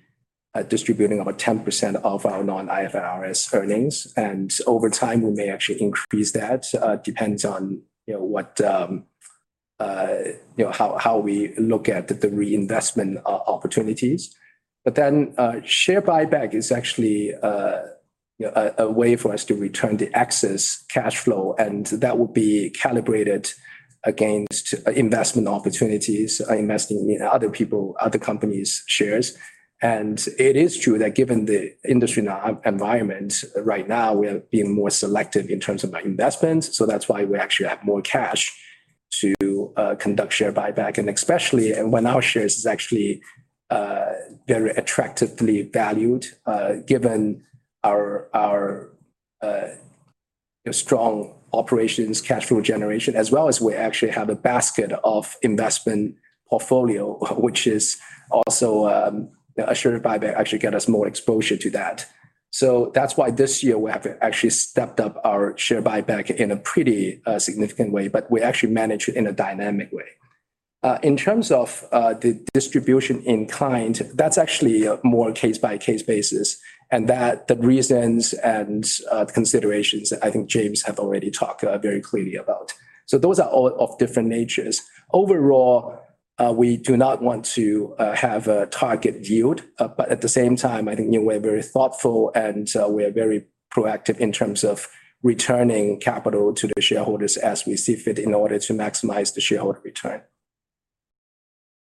distributing about 10% of our non-IFRS earnings, and over time we may actually increase that. It depends on, you know, what, you know, how we look at the reinvestment opportunities. Share buyback is actually, you know, a way for us to return the excess cash flow, and that will be calibrated against investment opportunities, investing in other people, other companies' shares. It is true that given the industry environment right now, we are being more selective in terms of our investments, so that's why we actually have more cash to conduct share buyback, and especially when our shares is actually very attractively valued, given our strong operating cash flow generation, as well as we actually have a basket of investment portfolio, which is also, a share buyback actually get us more exposure to that. That's why this year we have actually stepped up our share buyback in a pretty significant way, but we actually manage it in a dynamic way. In terms of the distribution in kind, that's actually a more case-by-case basis, and that the reasons and considerations I think James have already talked very clearly about. Those are all of different natures. Overall, we do not want to have a target yield, but at the same time, I think, you know, we're very thoughtful and we are very proactive in terms of returning capital to the shareholders as we see fit in order to maximize the shareholder return.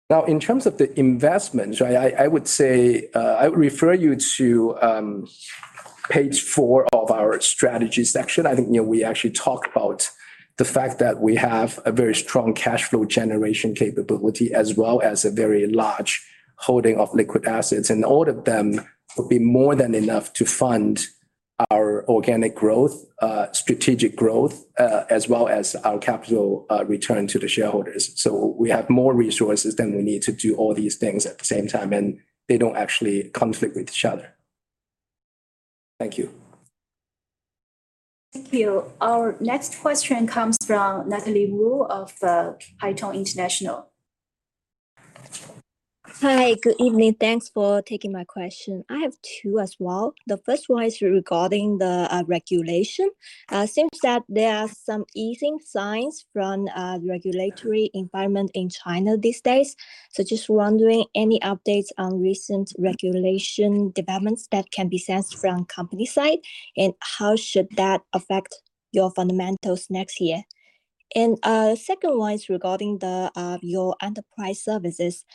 Now, in terms of the investment, right? I would refer you to page 4 of our strategy section. I think, you know, we actually talk about the fact that we have a very strong cash flow generation capability as well as a very large holding of liquid assets, and all of them would be more than enough to fund our organic growth, strategic growth, as well as our capital return to the shareholders. We have more resources than we need to do all these things at the same time, and they don't actually conflict with each other. Thank you. Thank you. Our next question comes from Natalie Wu of Haitong International. Hi. Good evening. Thanks for taking my question. I have two as well. The first one is regarding the, regulation. Seems that there are some easing signs from, regulatory environment in China these days. Just wondering, any updates on recent regulation developments that can be sensed from company side, and how should that affect your fundamentals next year? Second one is regarding the, your enterprise services.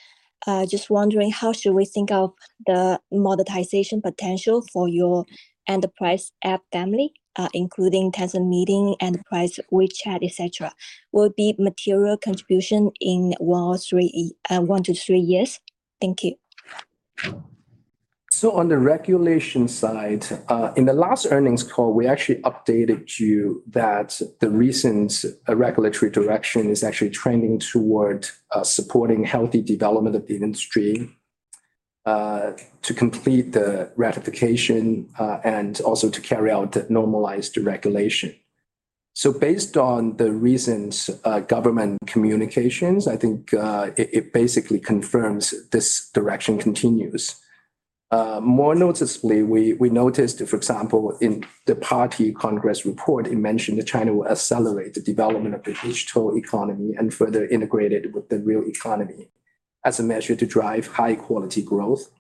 Just wondering how should we think of the monetization potential for your enterprise app family, including Tencent Meeting, Enterprise WeChat, et cetera. Will it be material contribution in, well, three, one to three years? Thank you. On the regulation side, in the last earnings call, we actually updated you that the recent regulatory direction is actually trending toward supporting healthy development of the industry to complete the rectification and also to carry out normalized regulation. Based on the recent government communications, I think it basically confirms this direction continues. More noticeably, we noticed, for example, in the Party Congress report, it mentioned that China will accelerate the development of the digital economy and further integrate it with the real economy as a measure to drive high-quality growth.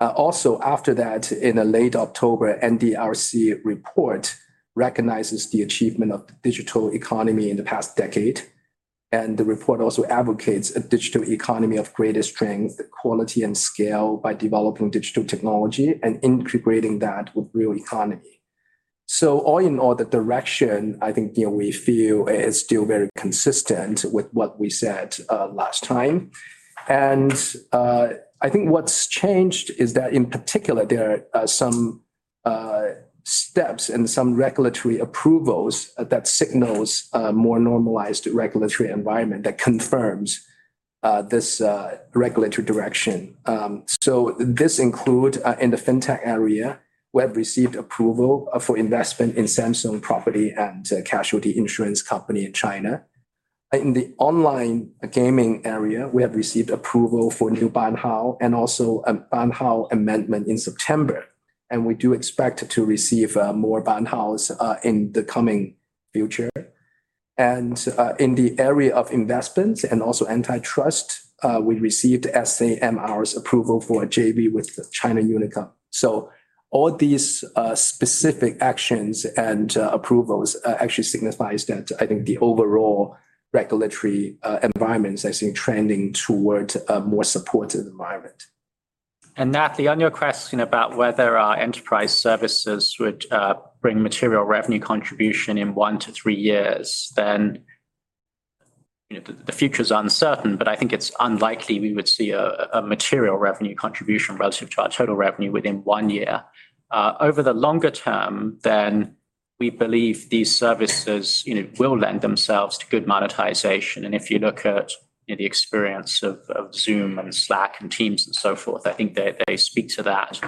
Also after that, in a late October NDRC report, recognizes the achievement of the digital economy in the past decade, and the report also advocates a digital economy of greater strength, quality, and scale by developing digital technology and integrating that with real economy. All in all, the direction, I think, you know, we feel is still very consistent with what we said last time. I think what's changed is that in particular, there are some steps and some regulatory approvals that signals a more normalized regulatory environment that confirms this regulatory direction. This includes in the fintech area, we have received approval for investment in Samsung Property & Casualty Insurance Company (China), Ltd. In the online gaming area, we have received approval for new ban hao and also a ban hao amendment in September, and we do expect to receive more ban haos in the coming future. In the area of investments and also antitrust, we received SAMR's approval for a JV with China Unicom. All these specific actions and approvals actually signifies that I think the overall regulatory environment is actually trending towards a more supportive environment. Natalie, on your question about whether our enterprise services would bring material revenue contribution in one to three years, you know, the future's uncertain, but I think it's unlikely we would see a material revenue contribution relative to our total revenue within one year. Over the longer term, we believe these services, you know, will lend themselves to good monetization. If you look at, you know, the experience of Zoom and Slack and Teams and so forth, I think they speak to that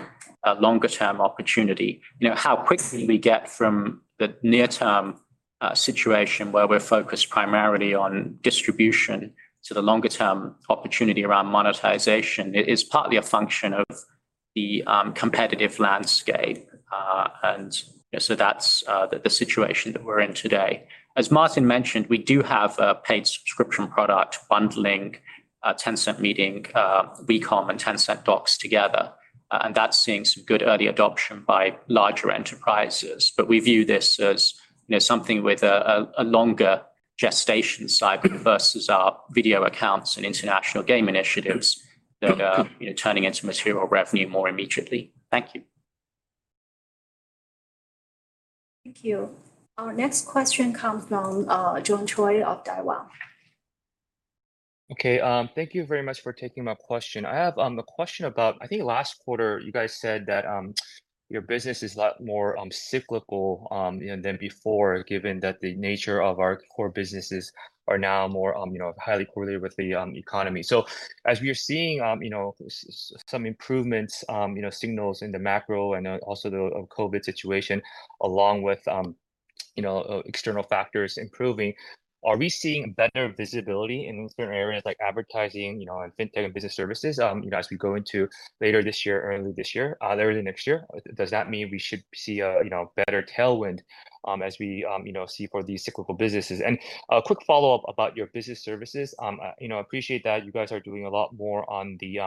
longer term opportunity. You know, how quickly we get from the near-term situation where we're focused primarily on distribution to the longer-term opportunity around monetization is partly a function of the competitive landscape. You know, that's the situation that we're in today. As Martin mentioned, we do have a paid subscription product bundling Tencent Meeting, WeCom, and Tencent Docs together, and that's seeing some good early adoption by larger enterprises. But we view this as, you know, something with a longer gestation cycle versus our Video Accounts and international game initiatives that are, you know, turning into material revenue more immediately. Thank you. Thank you. Our next question comes from John Choi of Daiwa. Okay. Thank you very much for taking my question. I have a question about, I think last quarter you guys said that your business is a lot more cyclical, you know, than before, given that the nature of our core businesses are now more, you know, highly correlated with the economy. As we're seeing, you know, some improvements, you know, signals in the macro and also the COVID situation along with, you know, external factors improving, are we seeing better visibility in certain areas like advertising, you know, and fintech and business services, you know, as we go into later this year, early this year, early next year? Does that mean we should see a, you know, better tailwind, as we, you know, see for these cyclical businesses? A quick follow-up about your business services. Appreciate that you guys are doing a lot more on the.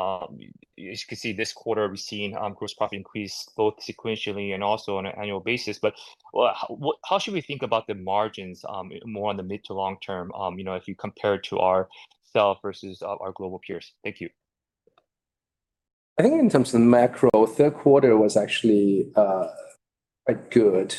As you can see this quarter, we've seen gross profit increase both sequentially and also on an annual basis. How should we think about the margins more on the mid to long term, if you compare to ourselves versus our global peers? Thank you. I think in terms of the macro, third quarter was actually quite good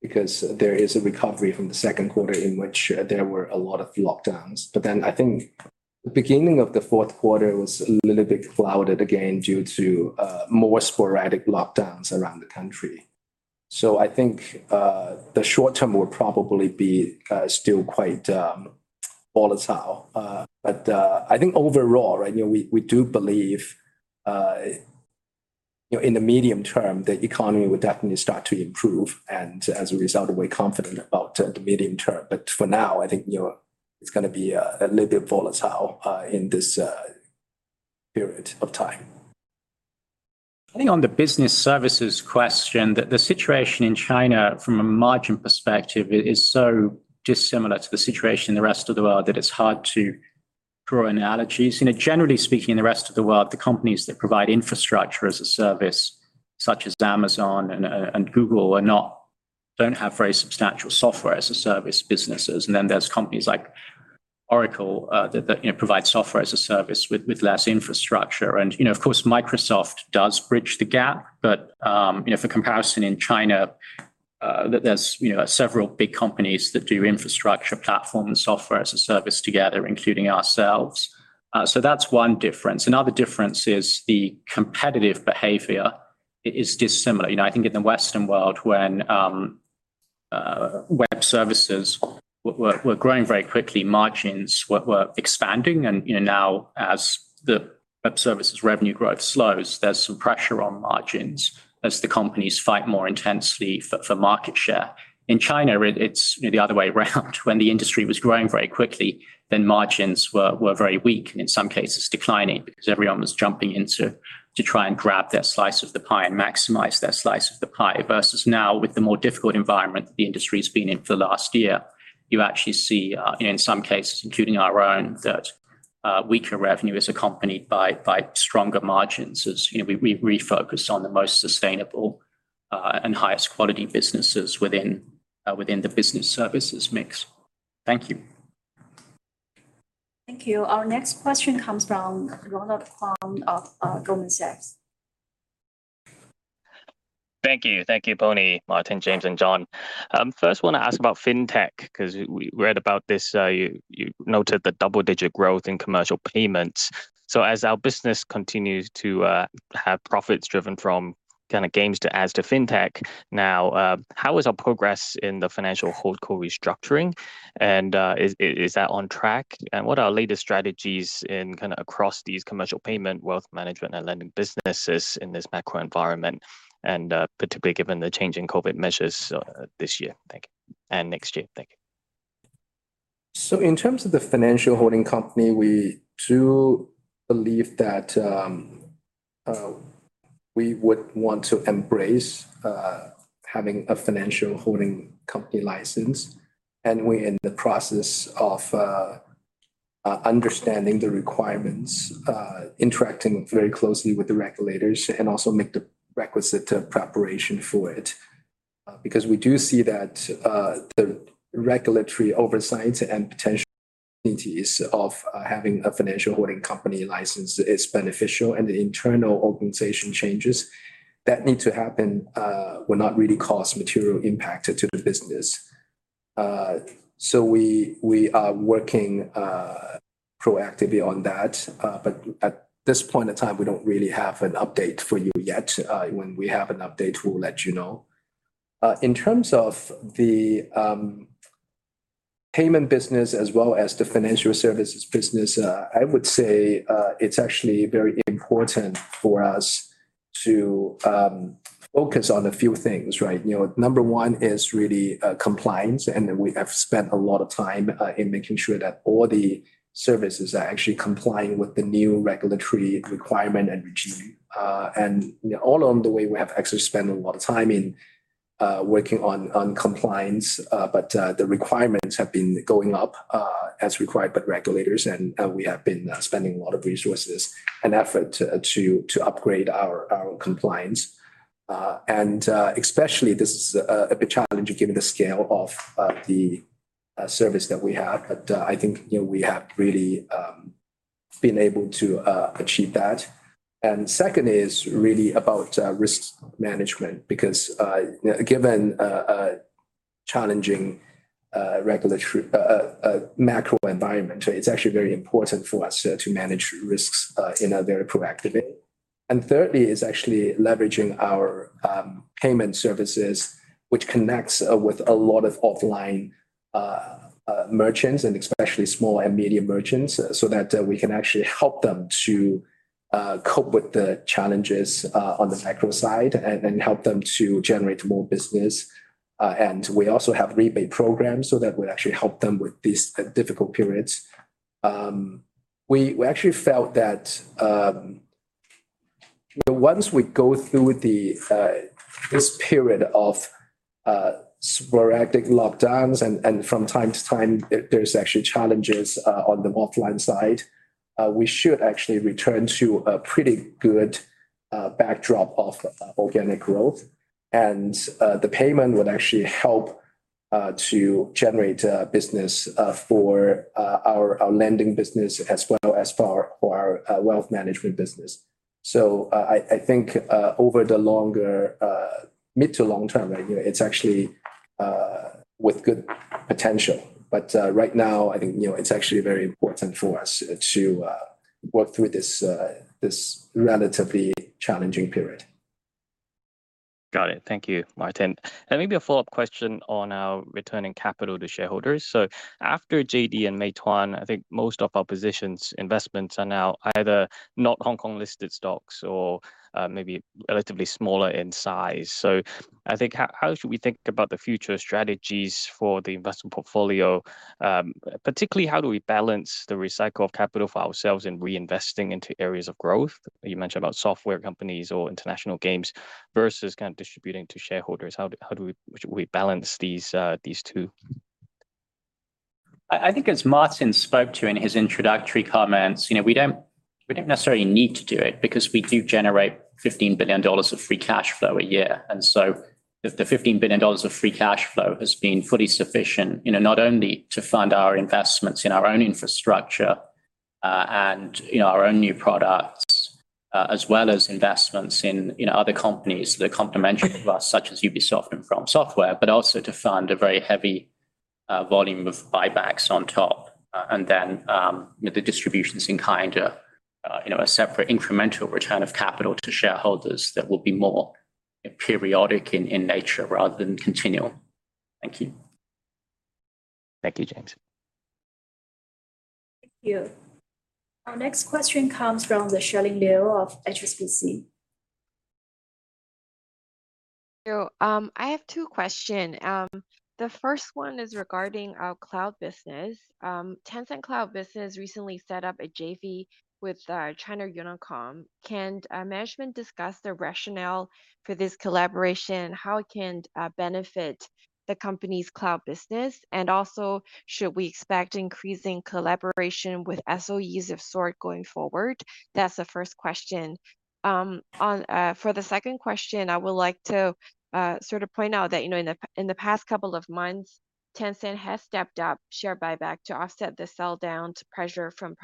because there is a recovery from the second quarter in which there were a lot of lockdowns. Then I think the beginning of the fourth quarter was a little bit clouded again due to more sporadic lockdowns around the country. I think the short term will probably be still quite volatile. I think overall, right, you know, we do believe, you know, in the medium term, the economy will definitely start to improve, and as a result, we're confident about the medium term. For now, I think, you know, it's gonna be a little bit volatile in this period of time. I think on the business services question that the situation in China from a margin perspective is so dissimilar to the situation in the rest of the world that it's hard to draw analogies. You know, generally speaking, in the rest of the world, the companies that provide infrastructure as a service, such as Amazon and Google don't have very substantial software as a service businesses. Then there's companies like Oracle that you know provide software as a service with less infrastructure. You know, of course, Microsoft does bridge the gap. You know, for comparison in China, there's you know several big companies that do infrastructure platform and software as a service together, including ourselves. That's one difference. Another difference is the competitive behavior is dissimilar. You know, I think in the Western world when web services were growing very quickly, margins were expanding. You know, now as the web services revenue growth slows, there's some pressure on margins as the companies fight more intensely for market share. In China, it's you know, the other way around. When the industry was growing very quickly, margins were very weak, in some cases declining, because everyone was jumping in to try and grab their slice of the pie and maximize their slice of the pie. Versus now with the more difficult environment the industry's been in for the last year, you actually see, you know, in some cases, including our own, that weaker revenue is accompanied by stronger margins as, you know, we refocus on the most sustainable and highest quality businesses within the business services mix. Thank you. Thank you. Our next question comes from Ronald Keung of Goldman Sachs. Thank you. Thank you, Pony, Martin, James, and John. First, want to ask about fintech 'cause we read about this. You noted the double-digit growth in commercial payments. As our business continues to have profits driven from kinda games to ads to fintech now, how is our progress in the financial holdco restructuring? And is that on track? And what are our latest strategies in kinda across these commercial payment, wealth management, and lending businesses in this macro environment and particularly given the change in COVID measures this year? Thank you. And next year. Thank you. In terms of the financial holding company, we do believe that we would want to embrace having a financial holding company license, and we're in the process of understanding the requirements, interacting very closely with the regulators and also make the requisite preparation for it. Because we do see that the regulatory oversight and potential opportunities of having a financial holding company license is beneficial, and the internal organization changes that need to happen will not really cause material impact to the business. We are working proactively on that. But at this point in time, we don't really have an update for you yet. When we have an update, we'll let you know. In terms of the payment business as well as the financial services business, I would say it's actually very important for us to focus on a few things, right? You know, number one is really compliance, and we have spent a lot of time in making sure that all the services are actually complying with the new regulatory requirement and regime. You know, all along the way, we have actually spent a lot of time in working on compliance. But the requirements have been going up as required by regulators, and we have been spending a lot of resources and effort to upgrade our compliance. Especially this is a big challenge given the scale of the service that we have. I think, you know, we have really been able to achieve that. Second is really about risk management because given a challenging regulatory and macro environment, it's actually very important for us to manage risks in a very proactive way. Thirdly is actually leveraging our payment services which connects with a lot of offline merchants and especially small and medium merchants so that we can actually help them to cope with the challenges on the macro side and help them to generate more business. We also have rebate programs so that would actually help them with these difficult periods. We actually felt that, you know, once we go through this period of sporadic lockdowns and from time to time there's actually challenges on the offline side, we should actually return to a pretty good backdrop of organic growth. The payment would actually help to generate business for our lending business as well as for our wealth management business. I think over the longer mid to long term, you know, it's actually with good potential. Right now I think, you know, it's actually very important for us to work through this relatively challenging period. Got it. Thank you, Martin. Maybe a follow-up question on our returning capital to shareholders. After JD and Meituan, I think most of our positions investments are now either not Hong Kong listed stocks or maybe relatively smaller in size. I think how should we think about the future strategies for the investment portfolio? Particularly how do we balance the recycle of capital for ourselves in reinvesting into areas of growth? You mentioned about software companies or international games versus kind of distributing to shareholders. How do we balance these two? I think as Martin spoke to in his introductory comments, you know, we don't necessarily need to do it because we do generate $15 billion of free cash flow a year. If the $15 billion of free cash flow has been fully sufficient, you know, not only to fund our investments in our own infrastructure, and you know, our own new products, as well as investments in, you know, other companies that are complementary to us, such as Ubisoft and FromSoftware, but also to fund a very heavy volume of buybacks on top. The distributions in kind, you know, a separate incremental return of capital to shareholders that will be more periodic in nature rather than continual. Thank you. Thank you, James. Thank you. Our next question comes from Charlene Liu of HSBC. I have two question. The first one is regarding our cloud business. Tencent Cloud business recently set up a JV with China Unicom. Can management discuss the rationale for this collaboration? How it can benefit the company's cloud business? And also should we expect increasing collaboration with SOEs of sort going forward? That's the first question. For the second question, I would like to sort of point out that, you know, in the past couple of months, Tencent has stepped up share buyback to offset the selldown pressure from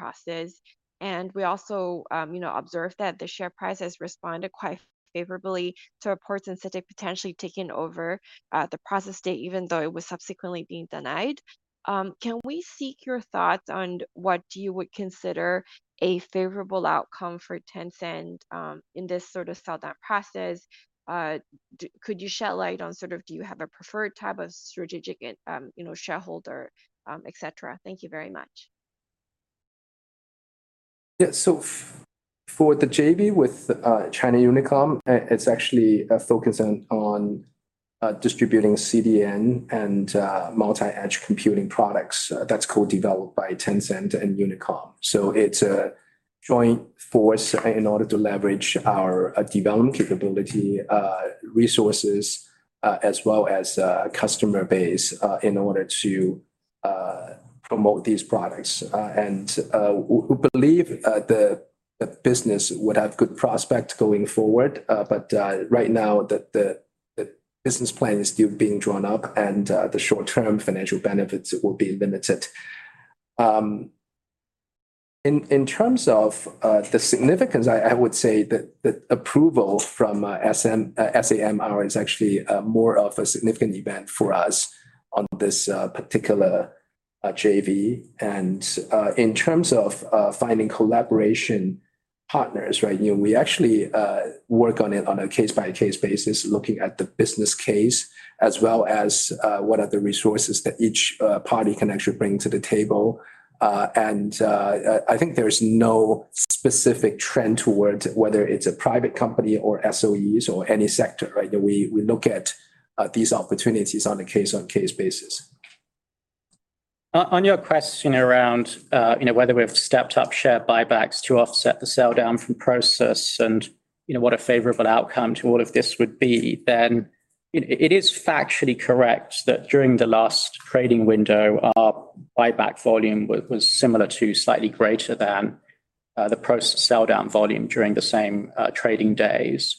Prosus. We also, you know, observed that the share price has responded quite favorably to reports instead of potentially taking over the Prosus stake even though it was subsequently being denied. Can we seek your thoughts on what you would consider a favorable outcome for Tencent, in this sort of sell-down Prosus? Could you shed light on sort of do you have a preferred type of strategic, you know, shareholder, et cetera? Thank you very much. Yeah. For the JV with China Unicom, it's actually a focus on distributing CDN and multi-edge computing products that's co-developed by Tencent and Unicom. It's a joint force in order to leverage our development capability, resources, as well as customer base in order to promote these products. We believe the business would have good prospect going forward. But right now the business plan is still being drawn up and the short-term financial benefits will be limited. In terms of the significance, I would say that the approval from SAMR is actually more of a significant event for us on this particular JV. In terms of finding collaboration partners, right? You know, we actually work on it on a case-by-case basis, looking at the business case as well as what are the resources that each party can actually bring to the table. I think there's no specific trend towards whether it's a private company or SOEs or any sector, right? You know, we look at these opportunities on a case-by-case basis. On your question around, you know, whether we've stepped up share buybacks to offset the sell down from Prosus and, you know, what a favorable outcome to all of this would be, it is factually correct that during the last trading window, our buyback volume was similar to slightly greater than the Prosus sell down volume during the same trading days.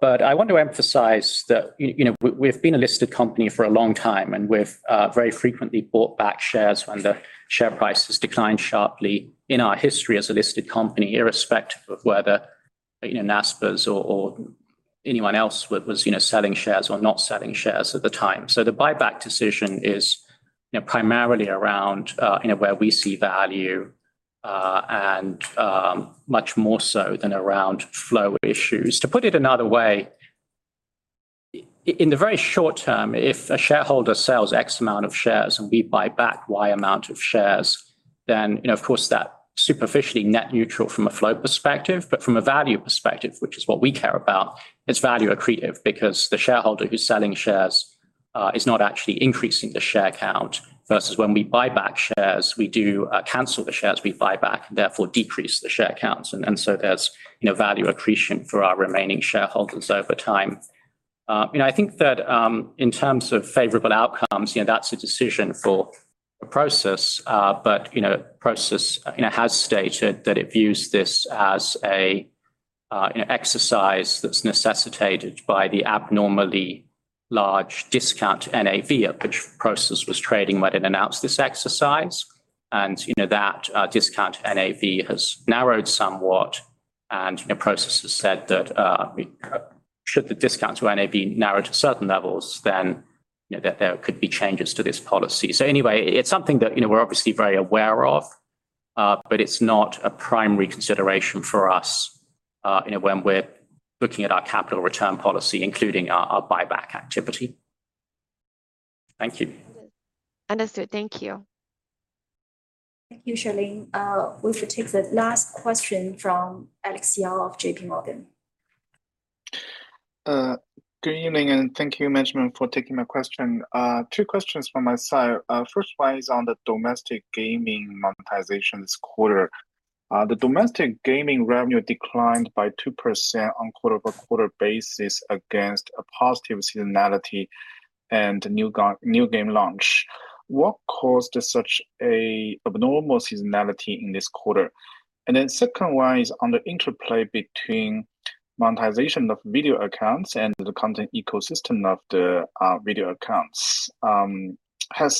But I want to emphasize that, you know, we've been a listed company for a long time, and we've very frequently bought back shares when the share price has declined sharply in our history as a listed company, irrespective of whether, you know, Naspers or anyone else was, you know, selling shares or not selling shares at the time. The buyback decision is, you know, primarily around where we see value, and much more so than around flow issues. To put it another way, in the very short term, if a shareholder sells X amount of shares and we buy back Y amount of shares, then, you know, of course that superficially net neutral from a flow perspective, but from a value perspective, which is what we care about, it's value accretive because the shareholder who's selling shares is not actually increasing the share count versus when we buy back shares, we do cancel the shares we buy back, therefore decrease the share counts. There's, you know, value accretion for our remaining shareholders over time. I think that in terms of favorable outcomes, you know, that's a decision for Prosus. You know, Prosus you know has stated that it views this as a you know exercise that's necessitated by the abnormally large discount NAV at which Prosus was trading when it announced this exercise. You know that discount NAV has narrowed somewhat, and you know Prosus has said that should the discount to NAV narrow to certain levels, then you know there could be changes to this policy. Anyway, it's something that you know we're obviously very aware of, but it's not a primary consideration for us you know when we're looking at our capital return policy, including our buyback activity. Thank you. Understood. Thank you. Thank you, Charlene. We should take the last question from Alex Yao of JPMorgan. Good evening, and thank you management for taking my question. Two questions from my side. First one is on the domestic gaming monetization this quarter. The domestic gaming revenue declined by 2% on quarter-over-quarter basis against a positive seasonality and new game launch. What caused such an abnormal seasonality in this quarter? Second one is on the interplay between monetization of Video Accounts and the content ecosystem of the Video Accounts. Have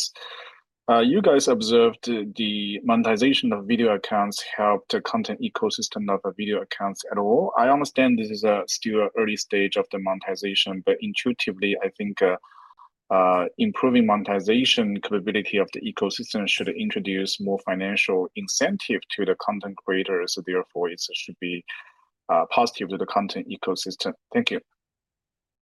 you guys observed the monetization of Video Accounts help the content ecosystem of the Video Accounts at all? I understand this is still early stage of the monetization, but intuitively, I think improving monetization capability of the ecosystem should introduce more financial incentive to the content creators. Therefore, it should be positive to the content ecosystem. Thank you.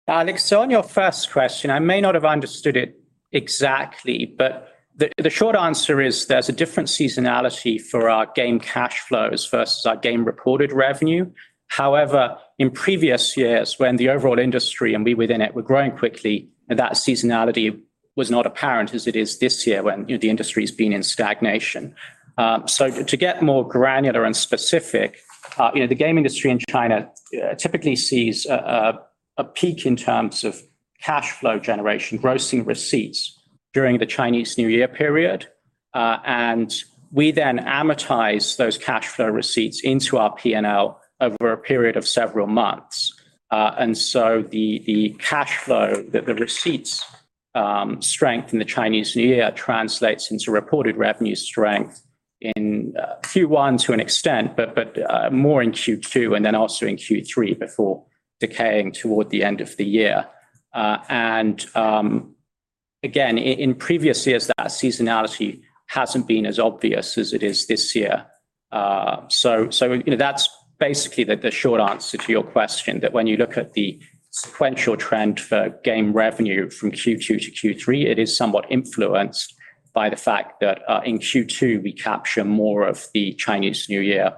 Alex Yao, on your first question, I may not have understood it exactly, but the short answer is there's a different seasonality for our game cash flows versus our game reported revenue. However, in previous years, when the overall industry and we within it were growing quickly, that seasonality was not apparent as it is this year when, you know, the industry's been in stagnation. To get more granular and specific, you know, the game industry in China typically sees a peak in terms of cash flow generation, grossing receipts during the Chinese New Year period. We then amortize those cash flow receipts into our P&L over a period of several months. The cash flow, the receipts, strength in the Chinese New Year translates into reported revenue strength in Q1 to an extent, but more in Q2 and then also in Q3 before decaying toward the end of the year. Again, in previous years, that seasonality hasn't been as obvious as it is this year. You know, that's basically the short answer to your question, that when you look at the sequential trend for game revenue from Q2 to Q3, it is somewhat influenced by the fact that in Q2, we capture more of the Chinese New Year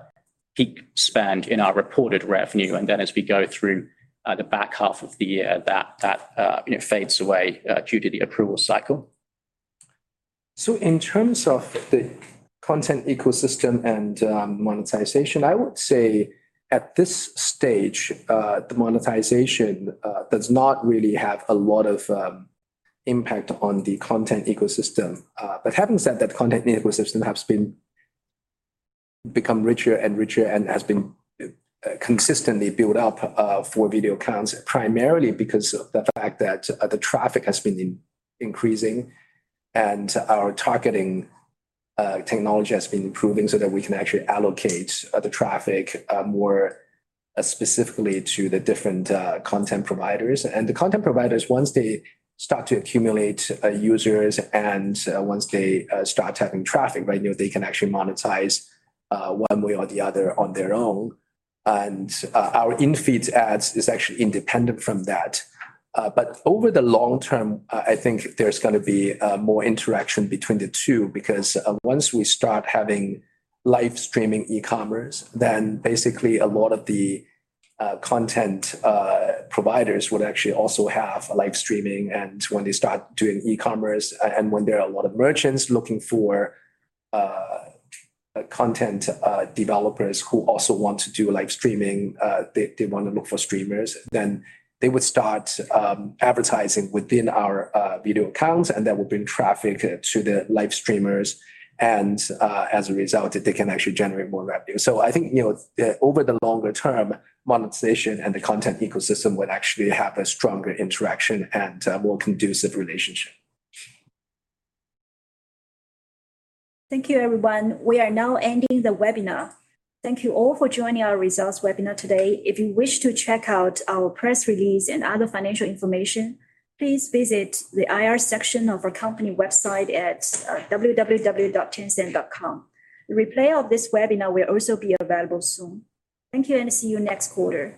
peak spend in our reported revenue, and then as we go through the back half of the year, that you know fades away due to the approval cycle. In terms of the content ecosystem and monetization, I would say at this stage the monetization does not really have a lot of impact on the content ecosystem. Having said that, content ecosystem has become richer and richer and has been consistently built up for Video Accounts, primarily because of the fact that the traffic has been increasing and our targeting technology has been improving so that we can actually allocate the traffic more specifically to the different content providers. The content providers, once they start to accumulate users and once they start having traffic, right, you know, they can actually monetize one way or the other on their own. Our in-feed ads is actually independent from that. Over the long term, I think there's gonna be more interaction between the two, because once we start having live streaming e-commerce, then basically a lot of the content providers would actually also have live streaming. When they start doing e-commerce and when there are a lot of merchants looking for content developers who also want to do live streaming, they wanna look for streamers, then they would start advertising within our Video Accounts, and that would bring traffic to the live streamers. As a result, they can actually generate more revenue. I think, you know, over the longer term, monetization and the content ecosystem would actually have a stronger interaction and more conducive relationship. Thank you, everyone. We are now ending the webinar. Thank you all for joining our results webinar today. If you wish to check out our press release and other financial information, please visit the IR section of our company website at www.tencent.com. The replay of this webinar will also be available soon. Thank you, and see you next quarter.